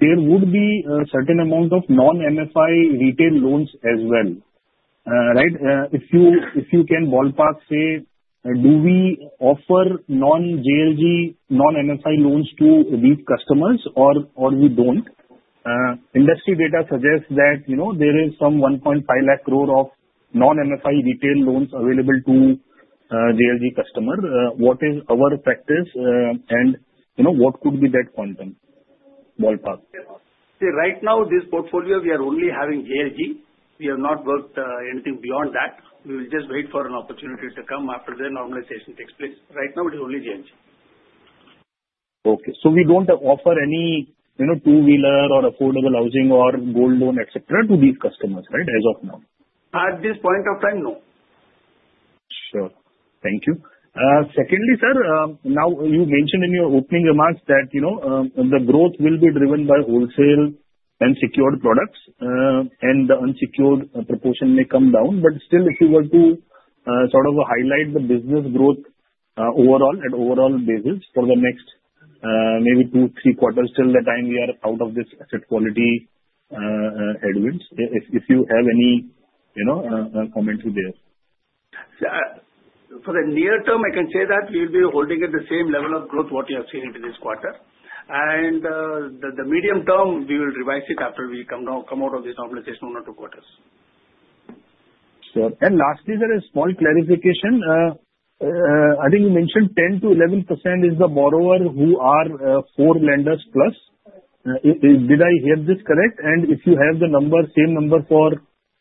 Speaker 11: there would be a certain amount of non-MFI retail loans as well, right? If you can ballpark, say, do we offer non-JLG non-MFI loans to these customers, or we don't? Industry data suggests that there is some 1.5 lakh crore of non-MFI retail loans available to JLG customers. What is our practice, and what could be that quantum? Ballpark.
Speaker 2: See, right now, this portfolio, we are only having JLG. We have not worked anything beyond that. We will just wait for an opportunity to come after the normalization takes place. Right now, it is only JLG.
Speaker 11: Okay. So we don't offer any two-wheeler or affordable housing or gold loan, etc., to these customers, right, as of now?
Speaker 2: At this point of time, no.
Speaker 11: Sure. Thank you. Secondly, sir, now you mentioned in your opening remarks that the growth will be driven by wholesale and secured products, and the unsecured proportion may come down. But still, if you were to sort of highlight the business growth overall at overall basis for the next maybe two, three quarters till the time we are out of this asset quality headwinds, if you have any commentary there.
Speaker 2: For the near term, I can say that we will be holding at the same level of growth what we have seen in this quarter. And the medium term, we will revise it after we come out of this normalization in one or two quarters.
Speaker 11: Sure. And lastly, sir, a small clarification. I think you mentioned 10%-11% is the borrowers who are four lenders plus. Did I hear this correct? And if you have the same number for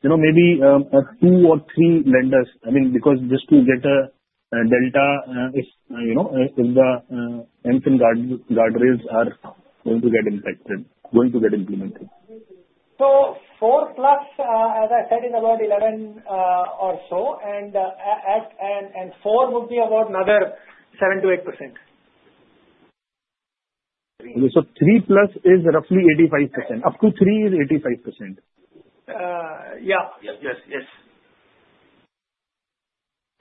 Speaker 11: maybe two or three lenders, I mean, because just to get a delta if the RBI guardrails are going to get impacted, going to get implemented.
Speaker 3: So four plus, as I said, is about 11 or so. And four would be about another 7%-8%.
Speaker 11: So three plus is roughly 85%. Up to three is 85%.
Speaker 3: Yeah. Yes. Yes.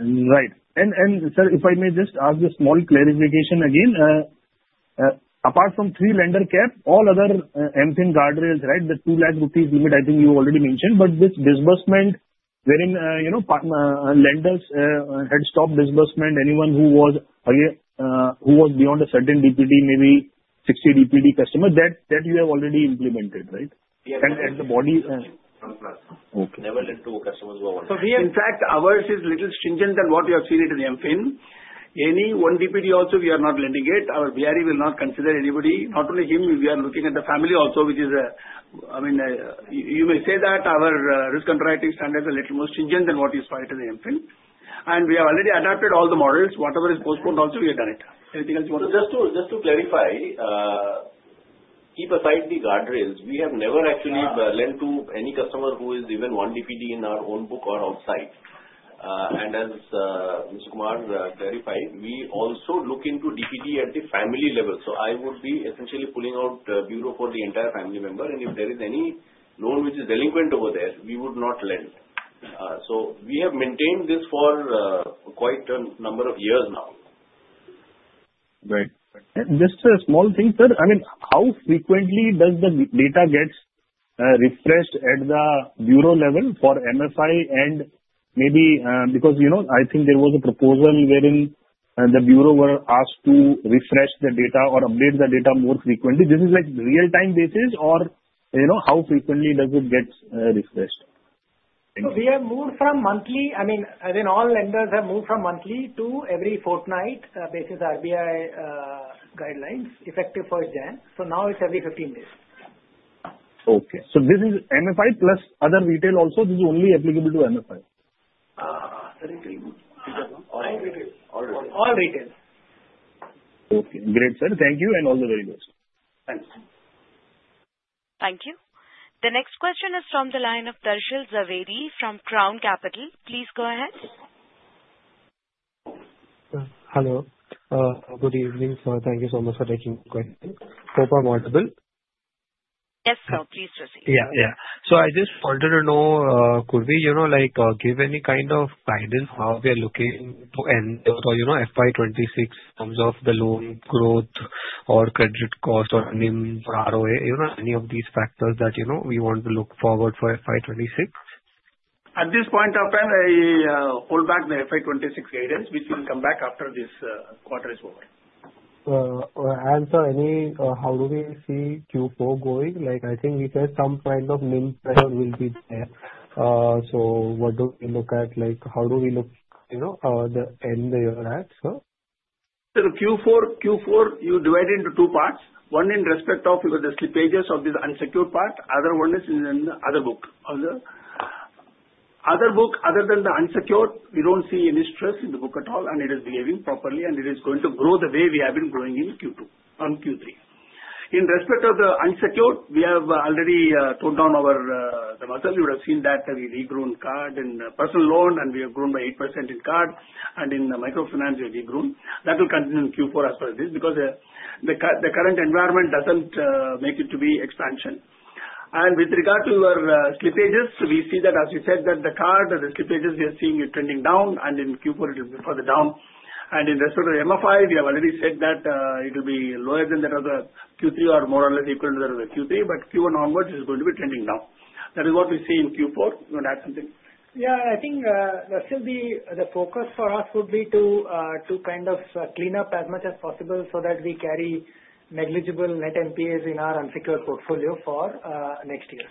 Speaker 11: Right. And, sir, if I may just ask this small clarification again. Apart from three-lender cap, all other MFI guardrails, right, the two lakh rupees limit, I think you already mentioned. But this disbursement, when lenders had stopped disbursement, anyone who was beyond a certain DPD, maybe 60 DPD customers, that you have already implemented, right? And the SMA-1+. Okay. Level 1 and 2 customers who are already.
Speaker 2: So in fact, ours is a little more stringent than what you have seen in the MFI. Any 1 DPD also, we are not letting it. Our BRE will not consider anybody. Not only him, we are looking at the family also, which is, I mean, you may say that our risk control standards are a little more stringent than what was prior to the MFI. And we have already adopted all the models. Whatever is postponed also, we have done it. Anything else you want to?
Speaker 11: Just to clarify, keep aside the guardrails. We have never actually lent to any customer who is even one DPD in our own book or outside. And as Mr. Kumar clarified, we also look into DPD at the family level. So I would be essentially pulling out a bureau for the entire family member. And if there is any loan which is delinquent over there, we would not lend. So we have maintained this for quite a number of years now. Right. And just a small thing, sir. I mean, how frequently does the data get refreshed at the bureau level for MFI and maybe because I think there was a proposal wherein the bureau were asked to refresh the data or update the data more frequently. This is like real-time basis or how frequently does it get refreshed?
Speaker 2: So we have moved from monthly. I mean, as in all lenders have moved from monthly to every fortnight basis RBI guidelines, effective first January. So now it's every 15 days. Okay.
Speaker 11: So this is MFI plus other retail also. This is on
Speaker 2: ly applicable to MFI. All retail. All retail.
Speaker 11: Okay. Great, sir. Thank you. And all the very best.
Speaker 2: Thanks.
Speaker 1: Thank you. The next question is from the line of Darshil Jhaveri from Crown Capital. Please go ahead.
Speaker 12: Hello. Good evening. So thank you so much for taking the question. Am I audible?
Speaker 1: Yes, sir. Please proceed.
Speaker 12: Yeah. Yeah. So I just wanted to know, Could we, give any kind of guidance how we are looking to end FY 26 in terms of the loan growth or credit cost or NIM or ROA, any of these factors that we want to look forward for FY 26?
Speaker 2: At this point of time, I hold back the FY 26 guidance, which will come back after this quarter is over.
Speaker 12: And sir, how do we see Q4 going? I think we said some kind of NIM pressure will be there. So what do we look at? How do we look at the end we are at, sir?
Speaker 2: So Q4, you divide into two parts. One in respect of the slippages of this unsecured part. Other one is in the other book. Other book, other than the unsecured, we don't see any stress in the book at all. And it is behaving properly. It is going to grow the way we have been growing in Q2 and Q3. In respect of the unsecured, we have already toned down the matter. You would have seen that we degrown card and personal loan, and we have grown by 8% in card. And in the microfinance, we have degrown. That will continue in Q4 as well as this because the current environment doesn't make it to be expansion. And with regard to your slippages, we see that, as we said, the card, the slippages, we are seeing it trending down. And in Q4, it will be further down. And in respect of the MFI, we have already said that it will be lower than the Q3 or more or less equal to the Q3. But Q1 onwards, it is going to be trending down. That is what we see in Q4. You want to add something?
Speaker 3: Yeah. I think still the focus for us would be to kind of clean up as much as possible so that we carry negligible net NPAs in our unsecured portfolio for next year.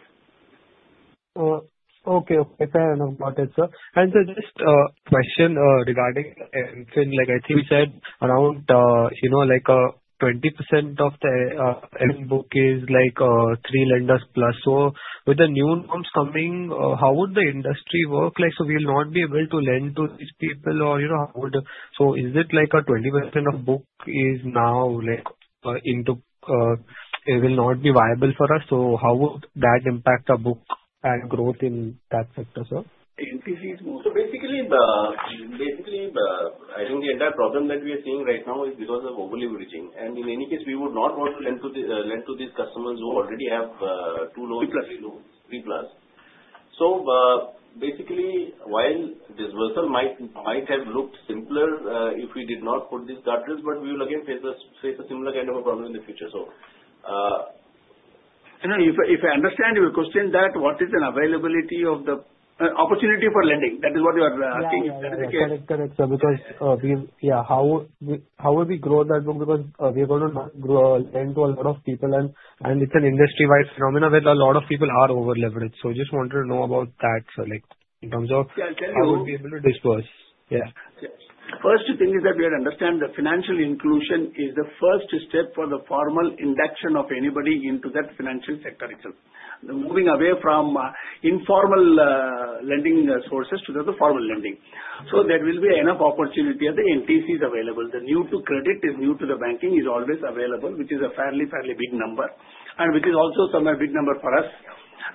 Speaker 12: Okay. Okay. I know about it, sir. And sir, just a question regarding MFIN. I think we said around 20% of the MFI book is three lenders plus. So with the new norms coming, how would the industry work? So we will not be able to lend to these people, or how would? So is it like a 20% of book is now into it will not be viable for us? So how would that impact our book and growth in that sector, sir?
Speaker 2: So basically, I think the entire problem that we are seeing right now is because of overleveraging. And in any case, we would not want to lend to these customers who already have two loans. Three plus. Three plus. So basically, while disbursal might have looked simpler if we did not put these guardrails, but we will again face a similar kind of a problem in the future, so. And if I understand your question that what is an availability of the opportunity for lending? That is what you are asking. That is the case.
Speaker 12: Correct. Correct. Yeah. How will we grow that book? Because we are going to lend to a lot of people, and it's an industry-wide phenomena where a lot of people are overleveraged. So I just wanted to know about that, sir, in terms of how we'll be able to disburse. Yeah.
Speaker 2: First thing is that we have to understand the financial inclusion is the first step for the formal induction of anybody into that financial sector itself. The moving away from informal lending sources to the formal lending. So there will be enough opportunity at the NTCs available. The new-to-credit is new to the banking is always available, which is a fairly, fairly big number, and which is also somewhere a big number for us,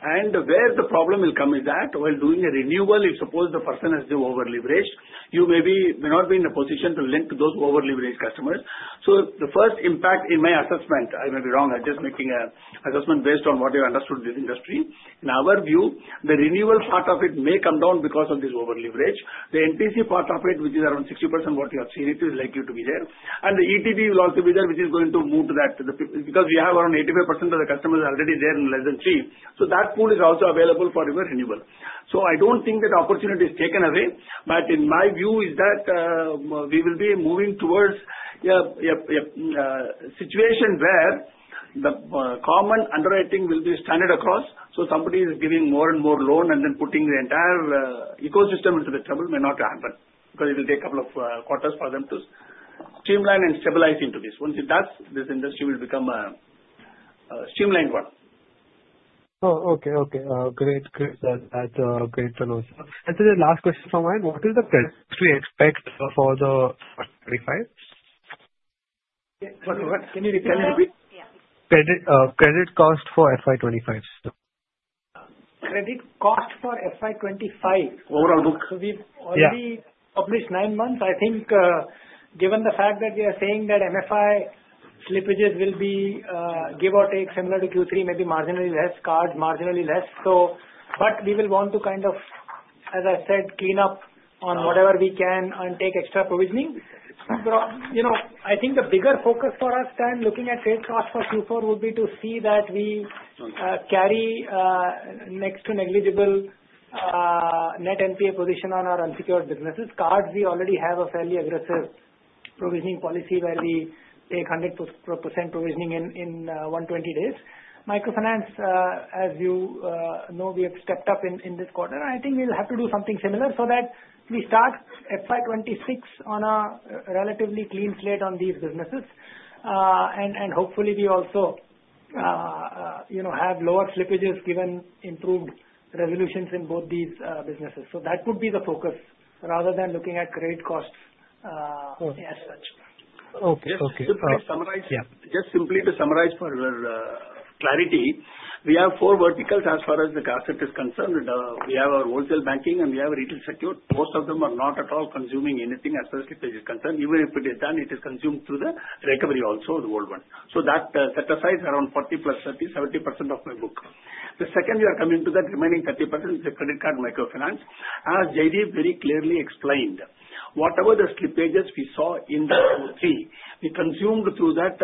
Speaker 2: and where the problem will come is that while doing a renewal, if suppose the person has been overleveraged, you may not be in a position to lend to those who are overleveraged customers, so the first impact in my assessment, I may be wrong. I'm just making an assessment based on what I understood this industry. In our view, the renewal part of it may come down because of this overleverage. The NPA part of it, which is around 60% what you have seen, it is likely to be there, and the ETD will also be there, which is going to move to that because we have around 85% of the customers already there in less than three. So that pool is also available for your renewal. So I don't think that opportunity is taken away, but in my view, is that we will be moving towards a situation where the common underwriting will be standard across, so somebody is giving more and more loan and then putting the entire ecosystem into the trouble may not happen because it will take a couple of quarters for them to streamline and stabilize into this. Once it does, this industry will become a streamlined one.
Speaker 12: Oh, okay. Okay. Great. Great. That's great to know. Sir, the last question from me, what is the credit we expect for the FY 25? Can you tell me? Yeah. Credit cost for FY 25, sir?
Speaker 3: Credit cost for FY 25?
Speaker 12: Overall book.
Speaker 3: We've already published nine months. I think given the fact that we are saying that MFI slippages will be give or take similar to Q3, maybe marginally less, cards marginally less. But we will want to kind of, as I said, clean up on whatever we can and take extra provisioning. But I think the bigger focus for us, then, looking at credit cost for Q4 would be to see that we carry next to negligible net NPA position on our unsecured businesses. Cards, we already have a fairly aggressive provisioning policy where we take 100% provisioning in 120 days. Microfinance, as you know, we have stepped up in this quarter. I think we will have to do something similar so that we start FY 26 on a relatively clean slate on these businesses. And hopefully, we also have lower slippages given improved resolutions in both these businesses. So that would be the focus rather than looking at credit costs as such.
Speaker 12: Okay. Okay.
Speaker 2: Just simply to summarize for clarity, we have four verticals as far as the basket is concerned. We have our wholesale banking, and we have retail secured. Most of them are not at all consuming anything as far as slippage is concerned. Even if it is done, it is consumed through the recovery also, the wholesale one. So that sets aside around 40 plus 30, 70% of my book. The second we are coming to that remaining 30% is the credit card microfinance. As Jaideep very clearly explained, whatever the slippages we saw in Q3, we consumed through that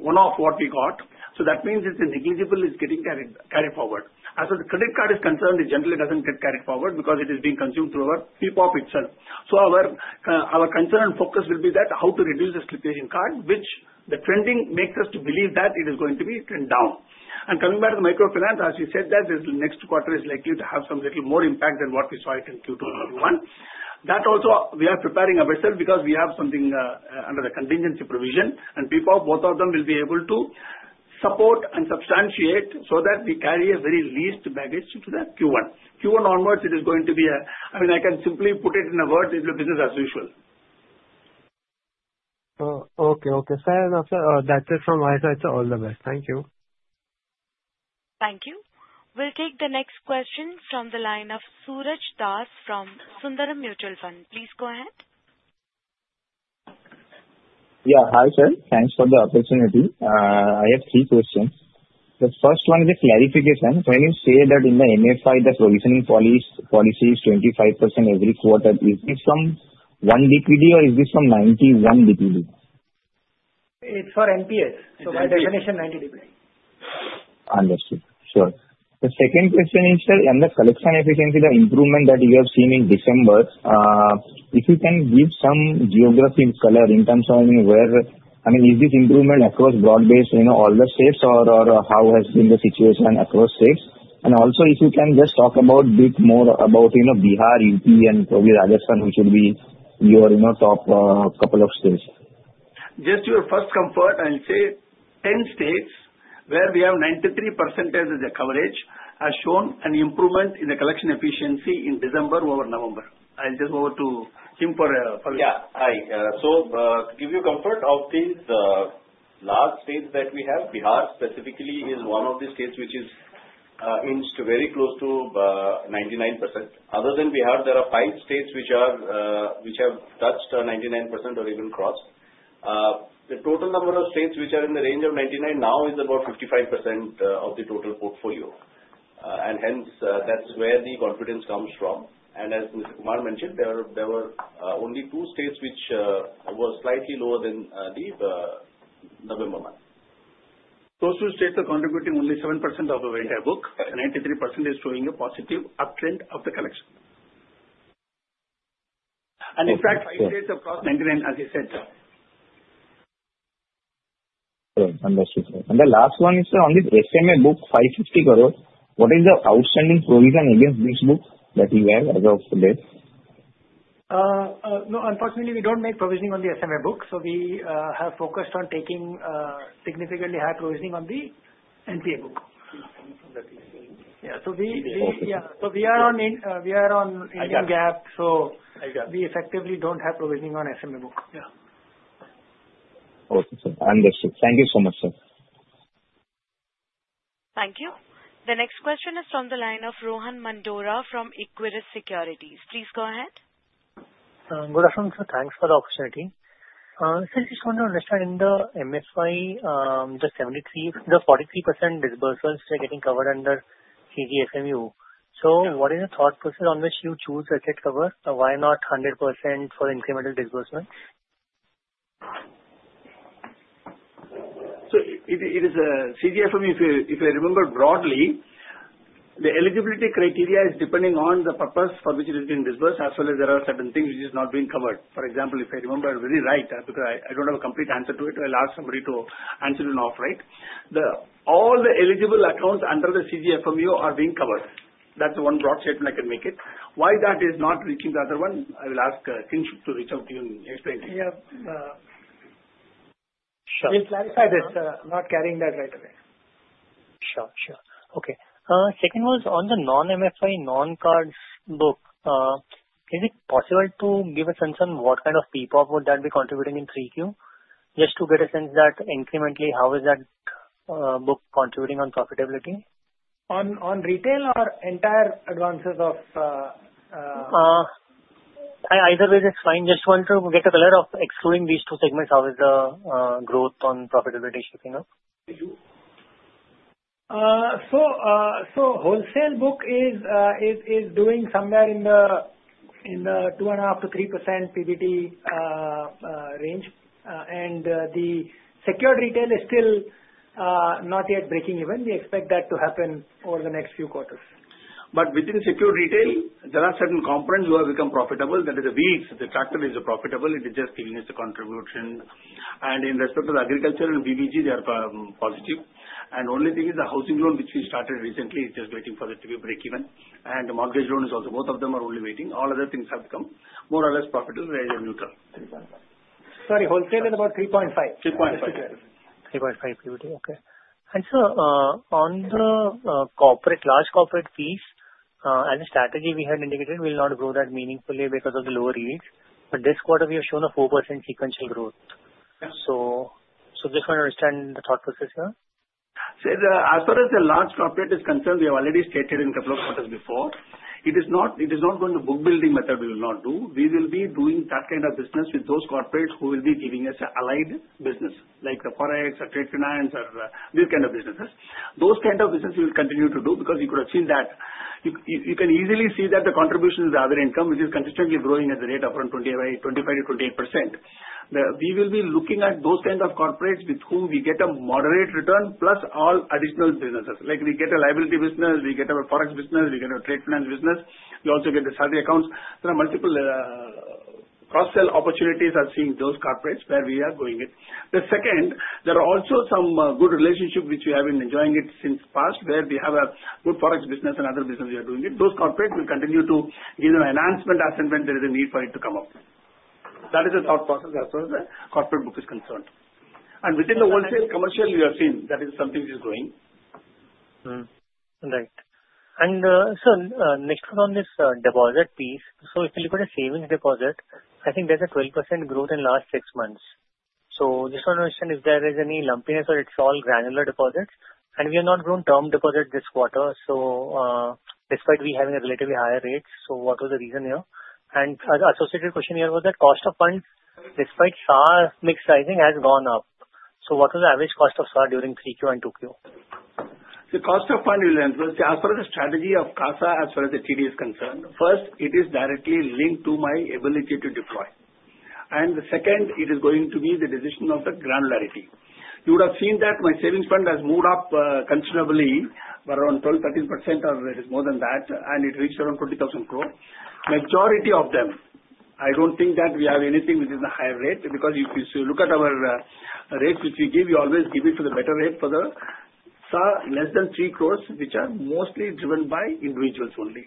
Speaker 2: one of what we got. So that means it's negligible is getting carried forward. As for the credit card is concerned, it generally doesn't get carried forward because it is being consumed through our PPOP itself. So our concern and focus will be that how to reduce the slippage in card, which the trending makes us to believe that it is going to be trend down. And coming back to the microfinance, as we said, that this next quarter is likely to have some little more impact than what we saw it in Q2 '21. That also, we are preparing ourselves because we have something under the contingency provision and PPOP. Both of them will be able to support and substantiate so that we carry a very least baggage to the Q1. Q1 onwards, it is going to be a, I mean, I can simply put it in a word, it will be business as usual.
Speaker 12: Okay. Okay. Sir, that's it from my side. So all the best. Thank you.
Speaker 1: Thank you. We'll take the next question from the line of Suraj Das from Sundaram Mutual Fund. Please go ahead.
Speaker 13: Yeah. Hi, sir. Thanks for the opportunity. I have three questions. The first one is a clarification. When you say that in the MFI, the provisioning policy is 25% every quarter, is this from one DPD or is this from 91 DPD?
Speaker 2: It's for NPA. So by definition, 90 DPD.
Speaker 13: Understood. Sure. The second question is, sir, on the collection efficiency, the improvement that you have seen in December, if you can give some geographic color in terms of where I mean, is this improvement across broad-based in all the states or how has been the situation across states? And also, if you can just talk a bit more about Bihar, UP, and probably Rajasthan, which would be your top couple of states.
Speaker 2: Just to give you some comfort, I'll say 10 states where we have 93% as the coverage has shown an improvement in the collection efficiency in December over November. I'll just hand over to him for a question.
Speaker 14: Yeah. Hi. So to give you comfort of these large states that we have, Bihar specifically is one of the states which is inched very close to 99%. Other than Bihar, there are five states which have touched 99% or even crossed. The total number of states which are in the range of 99 now is about 55% of the total portfolio. And hence, that's where the confidence comes from. And as Mr. Kumar mentioned, there were only two states which were slightly lower than the November month. Those two states are contributing only 7% of the entire book. 93% is showing a positive uptrend of the collection. And in fact, five states across 99, as you said, sir.
Speaker 13: Understood. And the last one is, sir, on the SMA book, 550 crores, what is the outstanding provision against this book that you have as of today?
Speaker 2: No, unfortunately, we don't make provisioning on the SMA book. So we have focused on taking significantly high provisioning on the NPA book. Yeah. So we are on income gap, so we effectively don't have provisioning on SMA book.
Speaker 13: Yeah. Okay, sir. Understood. Thank you so much, sir.
Speaker 1: Thank you. The next question is from the line of Rohan Mandora from Equirus Securities. Please go ahead.
Speaker 15: Good afternoon, sir. Thanks for the opportunity. Sir, I just want to understand in the MFI, the 43% disbursals are getting covered under CGFMU. So what is the thought process on which you choose to get covered? Why not 100% for incremental disbursement?
Speaker 2: So it is a CGFMU. If I remember broadly, the eligibility criteria is depending on the purpose for which it has been disbursed, as well as there are certain things which are not being covered. For example, if I remember very right, because I don't have a complete answer to it, I'll ask somebody to answer it off, right? All the eligible accounts under the CGFMU are being covered. That's one broad statement I can make it. Why that is not reaching the other one, I will ask Kinshuk to reach out to you and explain to you.
Speaker 16: We'll clarify that, sir. I'm not carrying that right away.
Speaker 15: Sure. Sure. Okay. Second was on the non-MFI non-cards book, is it possible to give a sense on what kind of PPOP would that be contributing in 3Q? Just to get a sense that incrementally, how is that book contributing on profitability?
Speaker 3: On retail or entire advances of?
Speaker 15: Either way is fine. Just want to get a color of excluding these two segments, how is the growth on profitability shaping up?
Speaker 3: So wholesale book is doing somewhere in the 2.5%-3% PBT range. And the secured retail is still not yet breaking even. We expect that to happen over the next few quarters.
Speaker 2: But within secured retail, there are certain components who have become profitable. That is the Wheels. The tractor is profitable. It is just giving us the contribution. And in respect to the agriculture and BBG, they are positive. And the only thing is the housing loan, which we started recently, is just waiting for it to be break even. And the mortgage loan is also. Both of them are only waiting. All other things have become more or less profitable, right, and neutral.
Speaker 3: Sorry, wholesale is about 3.5 PBT.
Speaker 2: Okay.
Speaker 15: And sir, on the large corporate fees, as a strategy we had indicated, we will not grow that meaningfully because of the lower yields. But this quarter, we have shown a 4% sequential growth. So just want to understand the thought process here.
Speaker 2: As far as the large corporate is concerned, we have already stated in a couple of quarters before. It is not going to book building method we will not do. We will be doing that kind of business with those corporates who will be giving us allied business, like the forex, or trade finance, or these kind of businesses. Those kind of businesses we will continue to do because you could have seen that you can easily see that the contribution is the other income, which is consistently growing at the rate of around 25%-28%. We will be looking at those kinds of corporates with whom we get a moderate return plus all additional businesses. We get a liability business. We get a forex business. We get a trade finance business. We also get the salary accounts. There are multiple cross-sell opportunities as we are seeing those corporates where we are going with it. The second, there are also some good relationships which we have been enjoying with it since the past where we have a good forex business and other business we are doing with it. Those corporates will continue to give us enhancement as and when there is a need for it to come up. That is the thought process as far as the corporate book is concerned, and within the wholesale commercial, we have seen that is something which is growing.
Speaker 15: Right, and sir, next one on this deposit piece, so if you look at the savings deposit, I think there's a 12% growth in the last six months, so just want to understand if there is any lumpiness or it's all granular deposits. We have not grown term deposits this quarter, so despite we having a relatively higher rate, so what was the reason here? The associated question here was that cost of funds, despite SA mix rising, has gone up. What was the average cost of SA during 3Q and 2Q?
Speaker 2: The cost of fund reliance was as far as the strategy of CASA as far as the TD is concerned. First, it is directly linked to my ability to deploy. The second, it is going to be the decision of the granularity. You would have seen that my savings fund has moved up considerably, but around 12-13%, or it is more than that, and it reached around 20,000 crore. Majority of them, I don't think that we have anything which is a higher rate because if you look at our rates which we give, we always give it to the better rate for the SAR less than 3 crores, which are mostly driven by individuals only.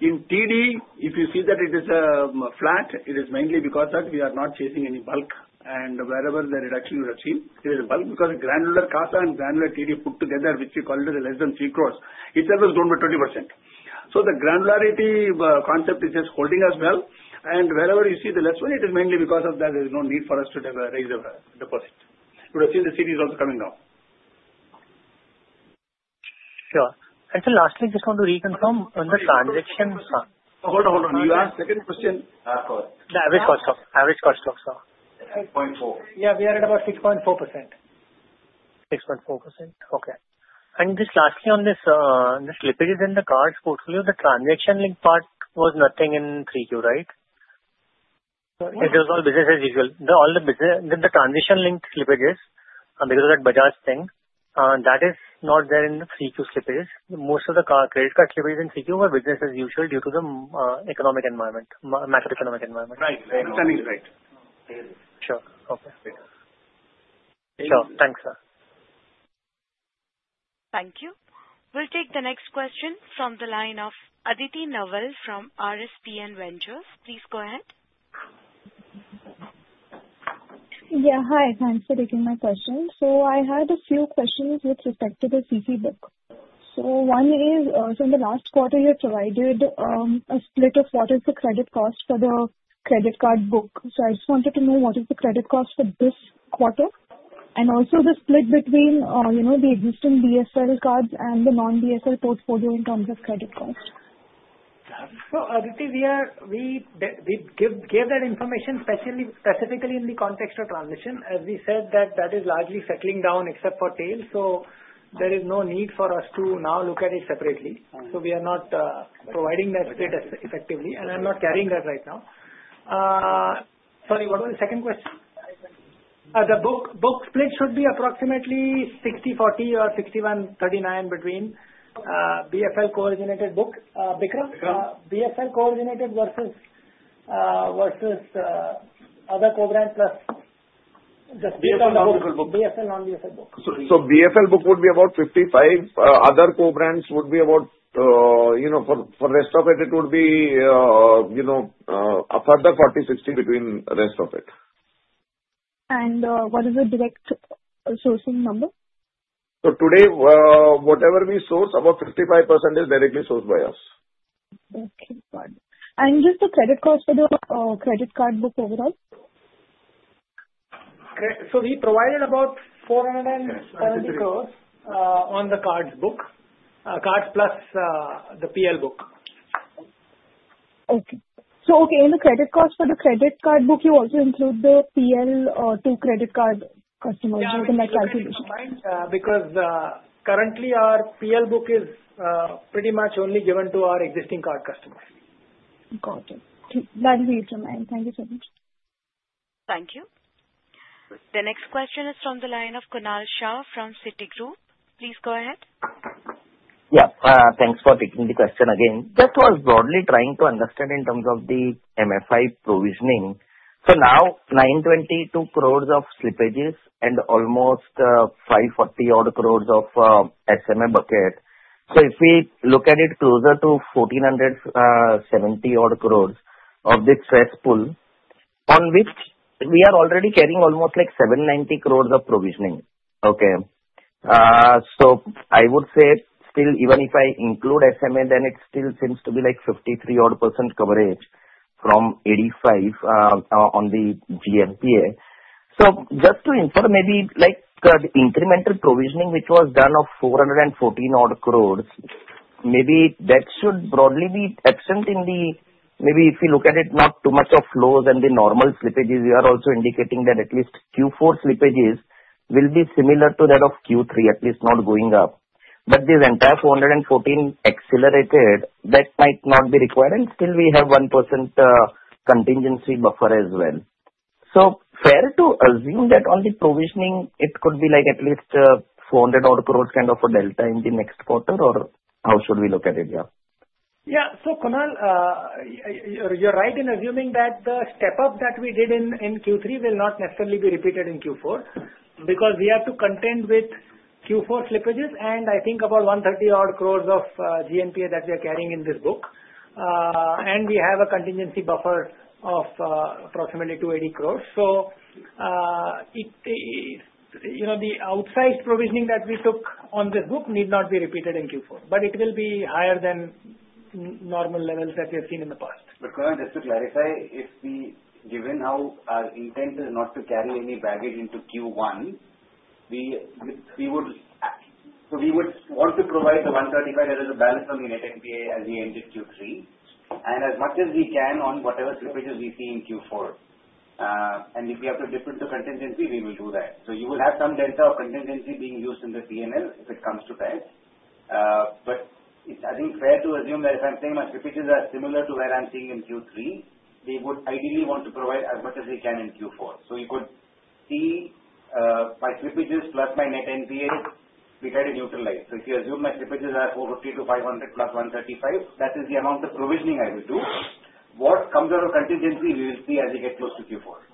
Speaker 2: In TD, if you see that it is flat, it is mainly because that we are not chasing any bulk. And wherever the reduction you have seen, it is a bulk because granular CASA and granular TD put together, which we call it as less than 3 crores, it has always grown by 20%. So the granularity concept is just holding us well. And wherever you see the less one, it is mainly because of that there is no need for us to raise the deposit. You would have seen the CD is also coming down.
Speaker 15: Sure. And sir, lastly, just want to reconfirm on the transaction front.
Speaker 2: Hold on, hold on. You asked second question.
Speaker 15: Average cost of CASA.
Speaker 5: 6.4.
Speaker 3: Yeah, we are at about 6.4%.
Speaker 15: 6.4%. Okay. And just lastly on this slippages in the cards portfolio, the transaction-linked part was nothing in 3Q, right?
Speaker 2: It was all business as usual. All the business, the transaction-linked slippages, because of that Bajaj thing, that is not there in the 3Q slippages. Most of the credit card slippages in 3Q were business as usual due to the economic environment, macroeconomic environment. Right. Extension rate.
Speaker 15: Sure. Okay. Sure. Thanks, sir.
Speaker 1: Thank you. We'll take the next question from the line of Aditi Nawal from RSPN Ventures. Please go ahead.
Speaker 17: Yeah. Hi. Thanks for taking my question. So I had a few questions with respect to the CC book. One is, so in the last quarter, you provided a split of what is the credit cost for the credit card book. So I just wanted to know what is the credit cost for this quarter? And also the split between the existing BFL cards and the non-BFL portfolio in terms of credit cost.
Speaker 3: Well, Aditi, we give that information specifically in the context of transition. As we said, that is largely settling down except for tail. So there is no need for us to now look at it separately. So we are not providing that split effectively. And I'm not carrying that right now. Sorry, what was the second question? The book split should be approximately 60/40 or 61/39 between BFL coordinated book. Bikram? BFL co-branded versus other co-brand plus just BFL non-BFL book.
Speaker 18: So BFL book would be about 55. Other co-brands would be about for the rest of it. It would be a further 40/60 between the rest of it.
Speaker 17: What is the direct sourcing number?
Speaker 2: Today, whatever we source, about 55% is directly sourced by us. Okay. Got it. Just the credit cost for the credit card book overall? We provided about 470 crores on the cards book, cards plus the PL book.
Speaker 17: Okay. In the credit cost for the credit card book, you also include the PL to credit card customers in that calculation?
Speaker 3: Because currently, our PL book is pretty much only given to our existing card customers.
Speaker 17: Got it. That is something to keep in mind. Thank you so much.
Speaker 1: Thank you. The next question is from the line of Kunal Shah from Citigroup. Please go ahead.
Speaker 8: Yeah. Thanks for taking the question again. just was broadly trying to understand in terms of the MFI provisioning. So now, 922 crores of slippages and almost 540 odd crores of SMA bucket. So if we look at it closer to 1,470 odd crores of the stress pool, on which we are already carrying almost like 790 crores of provisioning. Okay. So I would say still, even if I include SMA, then it still seems to be like 53 odd% coverage from 85 on the GNPA. So just to inform, maybe the incremental provisioning, which was done of 414 odd crores, maybe that should broadly be absent in the maybe if you look at it, not too much of flows and the normal slippages. We are also indicating that at least Q4 slippages will be similar to that of Q3, at least not going up. But this entire 414 accelerated, that might not be required. Still, we have 1% contingency buffer as well. Fair to assume that on the provisioning, it could be like at least 400-odd crore kind of a delta in the next quarter, or how should we look at it? Yeah.
Speaker 3: Yeah. Kunal, you're right in assuming that the step-up that we did in Q3 will not necessarily be repeated in Q4 because we have to contend with Q4 slippages and I think about 130-odd crore of GNPA that we are carrying in this book. We have a contingency buffer of approximately 280 crore. The outsized provisioning that we took on this book need not be repeated in Q4, but it will be higher than normal levels that we have seen in the past.
Speaker 2: But, Kunal, just to clarify, if we given how our intent is not to carry any baggage into Q1, we would want to provide the 135 as a balance on the net NPA as we ended Q3. And as much as we can on whatever slippages we see in Q4. And if we have to dip into contingency, we will do that. So you will have some delta of contingency being used in the P&L if it comes to pass. But I think fair to assume that if I'm saying my slippages are similar to what I'm seeing in Q3, we would ideally want to provide as much as we can in Q4. So you could see my slippages plus my net NPA, we try to neutralize. So if you assume my slippages are 450-500 plus 135, that is the amount of provisioning I will do. What comes out of contingency, we will see as we get close to Q4.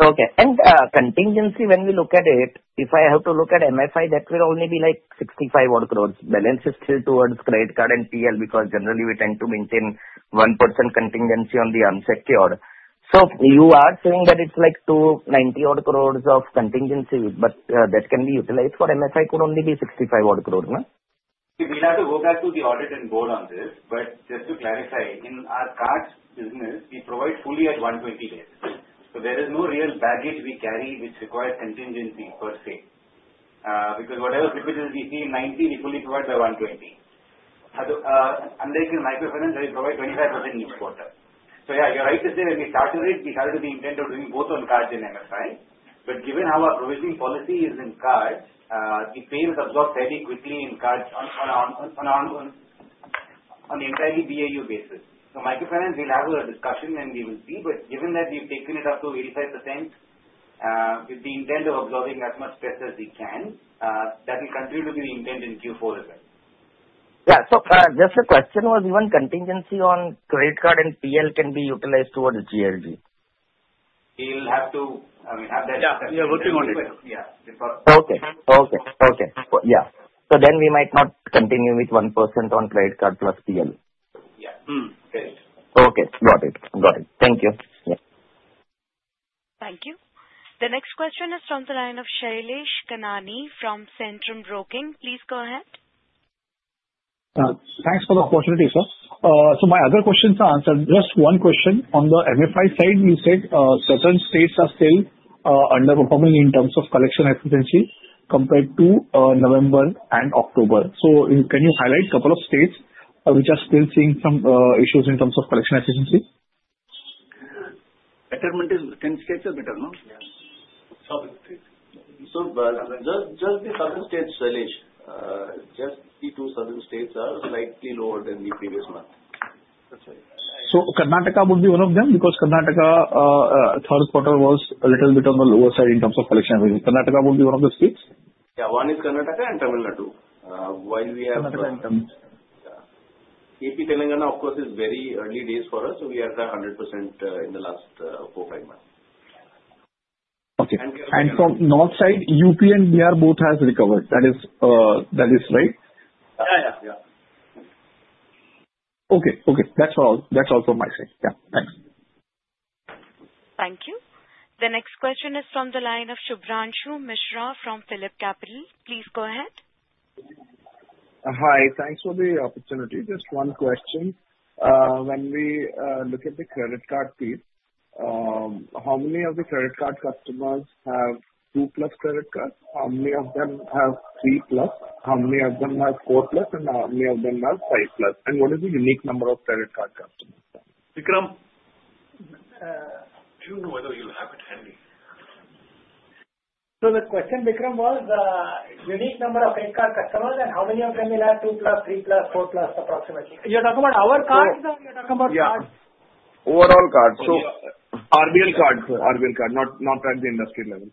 Speaker 8: Okay, and contingency, when we look at it, if I have to look at MFI, that will only be like 65 odd crores. Balance is still towards credit card and PL because generally, we tend to maintain 1% contingency on the unsecured. So you are saying that it's like 290 odd crores of contingency, but that can be utilized for MFI could only be 65 odd crores, no?
Speaker 2: We'll have to go back to the audit and board on this. But just to clarify, in our cards business, we provide fully at 120 days. So there is no real baggage we carry which requires contingency per se. Because whatever slippages we see in 90, we fully provide by 120. Under microfinance, we provide 25% each quarter. So yeah, you're right to say when we started it, we started with the intent of doing both on cards and MFI. But given how our provisioning policy is in cards, the payments absorb fairly quickly on an entirely BAU basis. So microfinance, we'll have a discussion and we will see. But given that we've taken it up to 85% with the intent of absorbing as much stress as we can, that will continue to be the intent in Q4 as well.
Speaker 8: Yeah. So just the question was even contingency on credit card and PL can be utilized towards JLG.
Speaker 2: We'll have to have that discussion. Yeah. We're working on it. Yeah. Okay. Okay.
Speaker 8: Okay. Yeah. So then we might not continue with 1% on credit card plus PL.
Speaker 2: Yeah.
Speaker 8: Okay. Got it. Got it. Thank you. Yeah.
Speaker 1: Thank you. The next question is from the line of Shailesh Kanani from Centrum Broking. Please go ahead.
Speaker 19: Thanks for the opportunity, sir. So my other questions are answered. Just one question. On the MFI side, you said certain states are still underperforming in terms of collection efficiency compared to November and October. So can you highlight a couple of states which are still seeing some issues in terms of collection efficiency?
Speaker 2: But 90% of states are better, no? Southern states. So just the southern states, Shailesh, just the two southern states are slightly lower than the previous month. That's right.
Speaker 19: So Karnataka would be one of them because Karnataka third quarter was a little bit on the lower side in terms of collection efficiency. Karnataka would be one of the states?
Speaker 2: Yeah. One is Karnataka and Tamil Nadu. While we have Karnataka and Tamil Nadu. Yeah. AP Telangana, of course, is very early days for us. We are at 100% in the last four, five months.
Speaker 19: Okay. And from north side, UP and BR both have recovered. That is right?
Speaker 2: Yeah. Yeah. Yeah.
Speaker 19: Okay. Okay. That's all from my side. Yeah. Thanks.
Speaker 1: Thank you. The next question is from the line of Shubhranshu Mishra from PhillipCapital. Please go ahead.
Speaker 20: Hi. Thanks for the opportunity. Just one question. When we look at the credit card piece, how many of the credit card customers have two plus credit cards? How many of them have three plus? How many of them have four plus? And how many of them have five plus? And what is the unique number of credit card customers?
Speaker 2: Bikram? I don't know whether you'll have it handy.
Speaker 3: The question, Bikram, was unique number of credit card customers and how many of them will have two plus, three plus, four plus approximately? You're talking about our cards or you're talking about cards?
Speaker 20: Yeah. Overall cards. So RBL cards. RBL cards. Not at the industry level.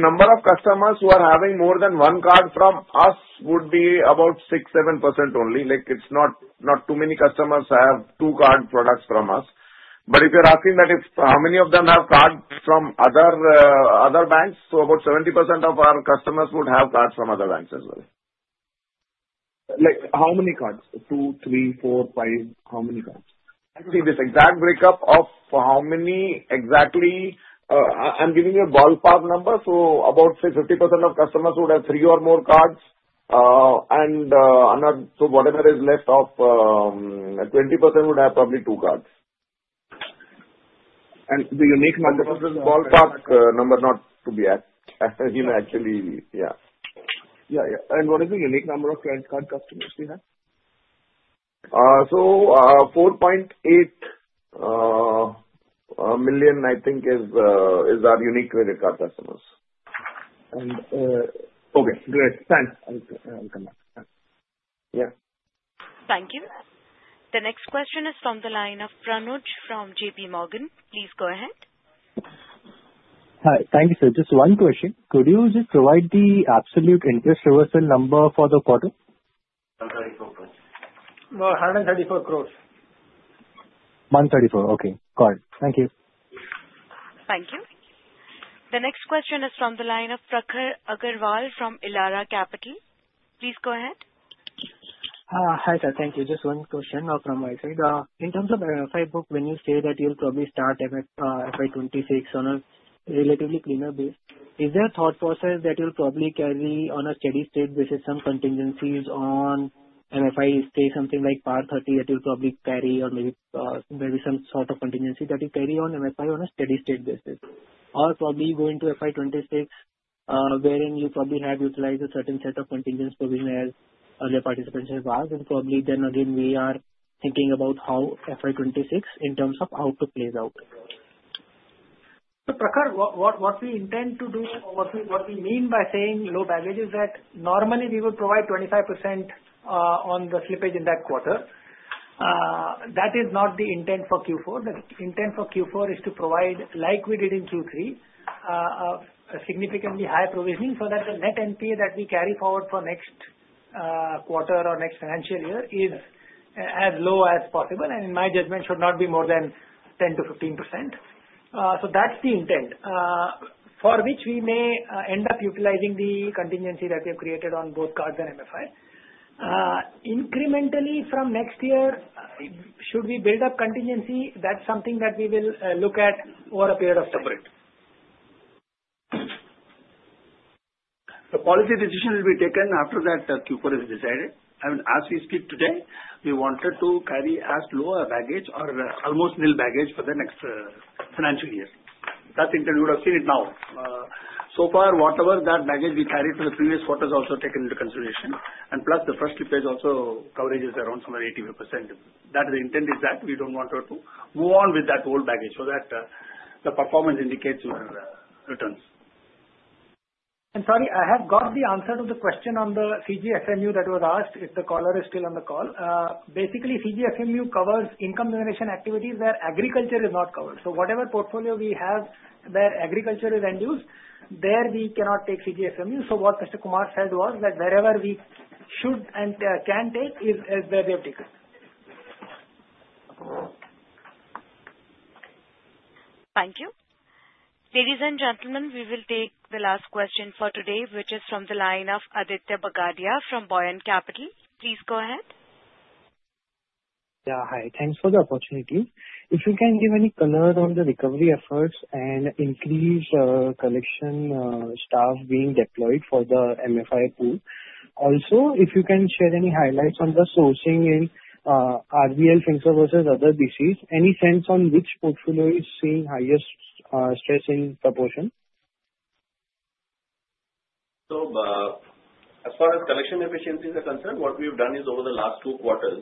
Speaker 18: Number of customers who are having more than one card from us would be about 6-7% only. It's not too many customers have two card products from us. But if you're asking that if how many of them have cards from other banks, about 70% of our customers would have cards from other banks as well. How many cards? Two, three, four, five? How many cards? I see this exact breakup of how many exactly. I'm giving you a ballpark number. About, say, 50% of customers would have three or more cards. And so whatever is left of 20% would have probably two cards.
Speaker 20: And the unique number?
Speaker 18: This is a ballpark number not to be actually yeah.
Speaker 20: Yeah. Yeah. And what is the unique number of credit card customers we have?
Speaker 18: So 4.8 million, I think, is our unique credit card customers.
Speaker 20: And okay. Great. Thanks. Yeah.
Speaker 1: Thank you. The next question is from the line of Pranuj from J.P. Morgan. Please go ahead.
Speaker 21: Hi. Thank you, sir. Just one question. Could you just provide the absolute interest reversal number for the quarter?
Speaker 3: 134 crore. 134 crore.
Speaker 21: 134. Okay. Got it. Thank you.
Speaker 1: Thank you. The next question is from the line of Prakhar Agarwal from Elara Capital. Please go ahead.
Speaker 22: Hi, sir. Thank you. Just one question from my side. In terms of MFI book, when you say that you'll probably start FY26 on a relatively cleaner base, is there a thought process that you'll probably carry on a steady state basis, some contingencies on MFI, say something like PAR 30 that you'll probably carry or maybe some sort of contingency that you carry on MFI on a steady state basis? Or probably going to FY26, wherein you probably have utilized a certain set of contingency provision as the participants have asked, and probably then again we are thinking about how FY26 in terms of how to play it out.
Speaker 3: So Prakhar, what we intend to do, what we mean by saying low baggage is that normally we would provide 25% on the slippage in that quarter. That is not the intent for Q4. The intent for Q4 is to provide, like we did in Q3, a significantly higher provisioning so that the net NPA that we carry forward for next quarter or next financial year is as low as possible, and in my judgment, should not be more than 10%-15%, so that's the intent. For which we may end up utilizing the contingency that we have created on both cards and MFI. Incrementally from next year, should we build up contingency? That's something that we will look at over a period of time.
Speaker 2: The policy decision will be taken after that Q4 is decided. I mean, as we speak today, we wanted to carry as low a baggage or almost nil baggage for the next financial year. That's intent. We would have seen it now. So far, whatever that baggage we carried for the previous quarter is also taken into consideration, and plus the first slippage also coverage is around somewhere 85%. That intent is that we don't want her to move on with that old baggage so that the performance indicates returns,
Speaker 3: And sorry, I have got the answer to the question on the CGFMU that was asked if the caller is still on the call. Basically, CGFMU covers income generation activities where agriculture is not covered. So whatever portfolio we have where agriculture is end used, there we cannot take CGFMU. So what Mr. Kumar said was that wherever we should and can take is where they have taken.
Speaker 1: Thank you. Ladies and gentlemen, we will take the last question for today, which is from the line of Aditya Bagadia from Buoyant Capital. Please go ahead.
Speaker 23: Yeah. Hi. Thanks for the opportunity. If you can give any color on the recovery efforts and increased collection staff being deployed for the MFI pool? Also, if you can share any highlights on the sourcing in RBL FinServe versus other BCs, any sense on which portfolio is seeing highest stress in proportion?
Speaker 2: So as far as collection efficiencies are concerned, what we've done is over the last two quarters,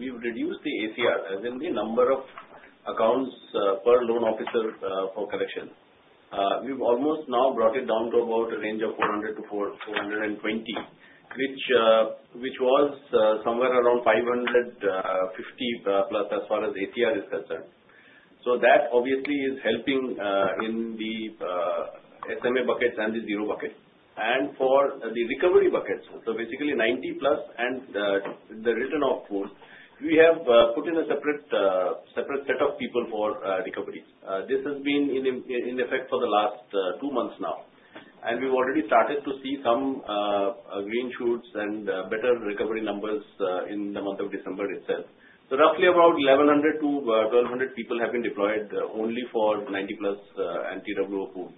Speaker 2: we've reduced the ACR, as in the number of accounts per loan officer for collection. We've almost now brought it down to about a range of 400-420, which was somewhere around 550 plus as far as ACR is concerned. So that obviously is helping in the SMA buckets and the zero bucket. And for the recovery buckets, so basically 90 plus and the return of pool, we have put in a separate set of people for recovery. This has been in effect for the last two months now. And we've already started to see some green shoots and better recovery numbers in the month of December itself. So roughly about 1,100-1,200 people have been deployed only for 90+ NPA pool.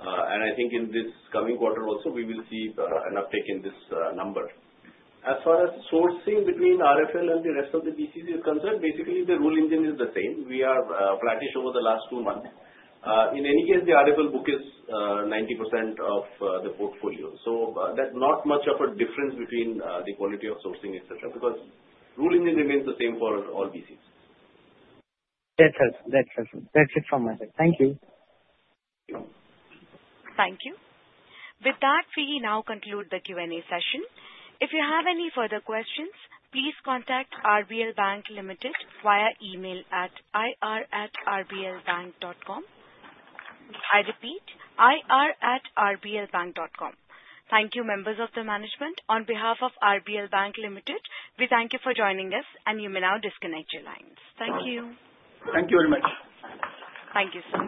Speaker 2: And I think in this coming quarter also, we will see an uptake in this number. As far as sourcing between RFL and the rest of the BCs is concerned, basically the rule engine is the same. We are flattish over the last two months. In any case, the RFL book is 90% of the portfolio. So there's not much of a difference between the quality of sourcing, etc., because rule engine remains the same for all BCs.
Speaker 23: That's helpful. That's helpful. That's it from my side. Thank you.
Speaker 1: Thank you. With that, we now conclude the Q&A session. If you have any further questions, please contact RBL Bank Limited via email at ir@rblbank.com. I repeat, ir@rblbank.com. Thank you, members of the management. On behalf of RBL Bank Limited, we thank you for joining us, and you may now disconnect your lines. Thank you.
Speaker 2: Thank you very much.
Speaker 1: Thank you.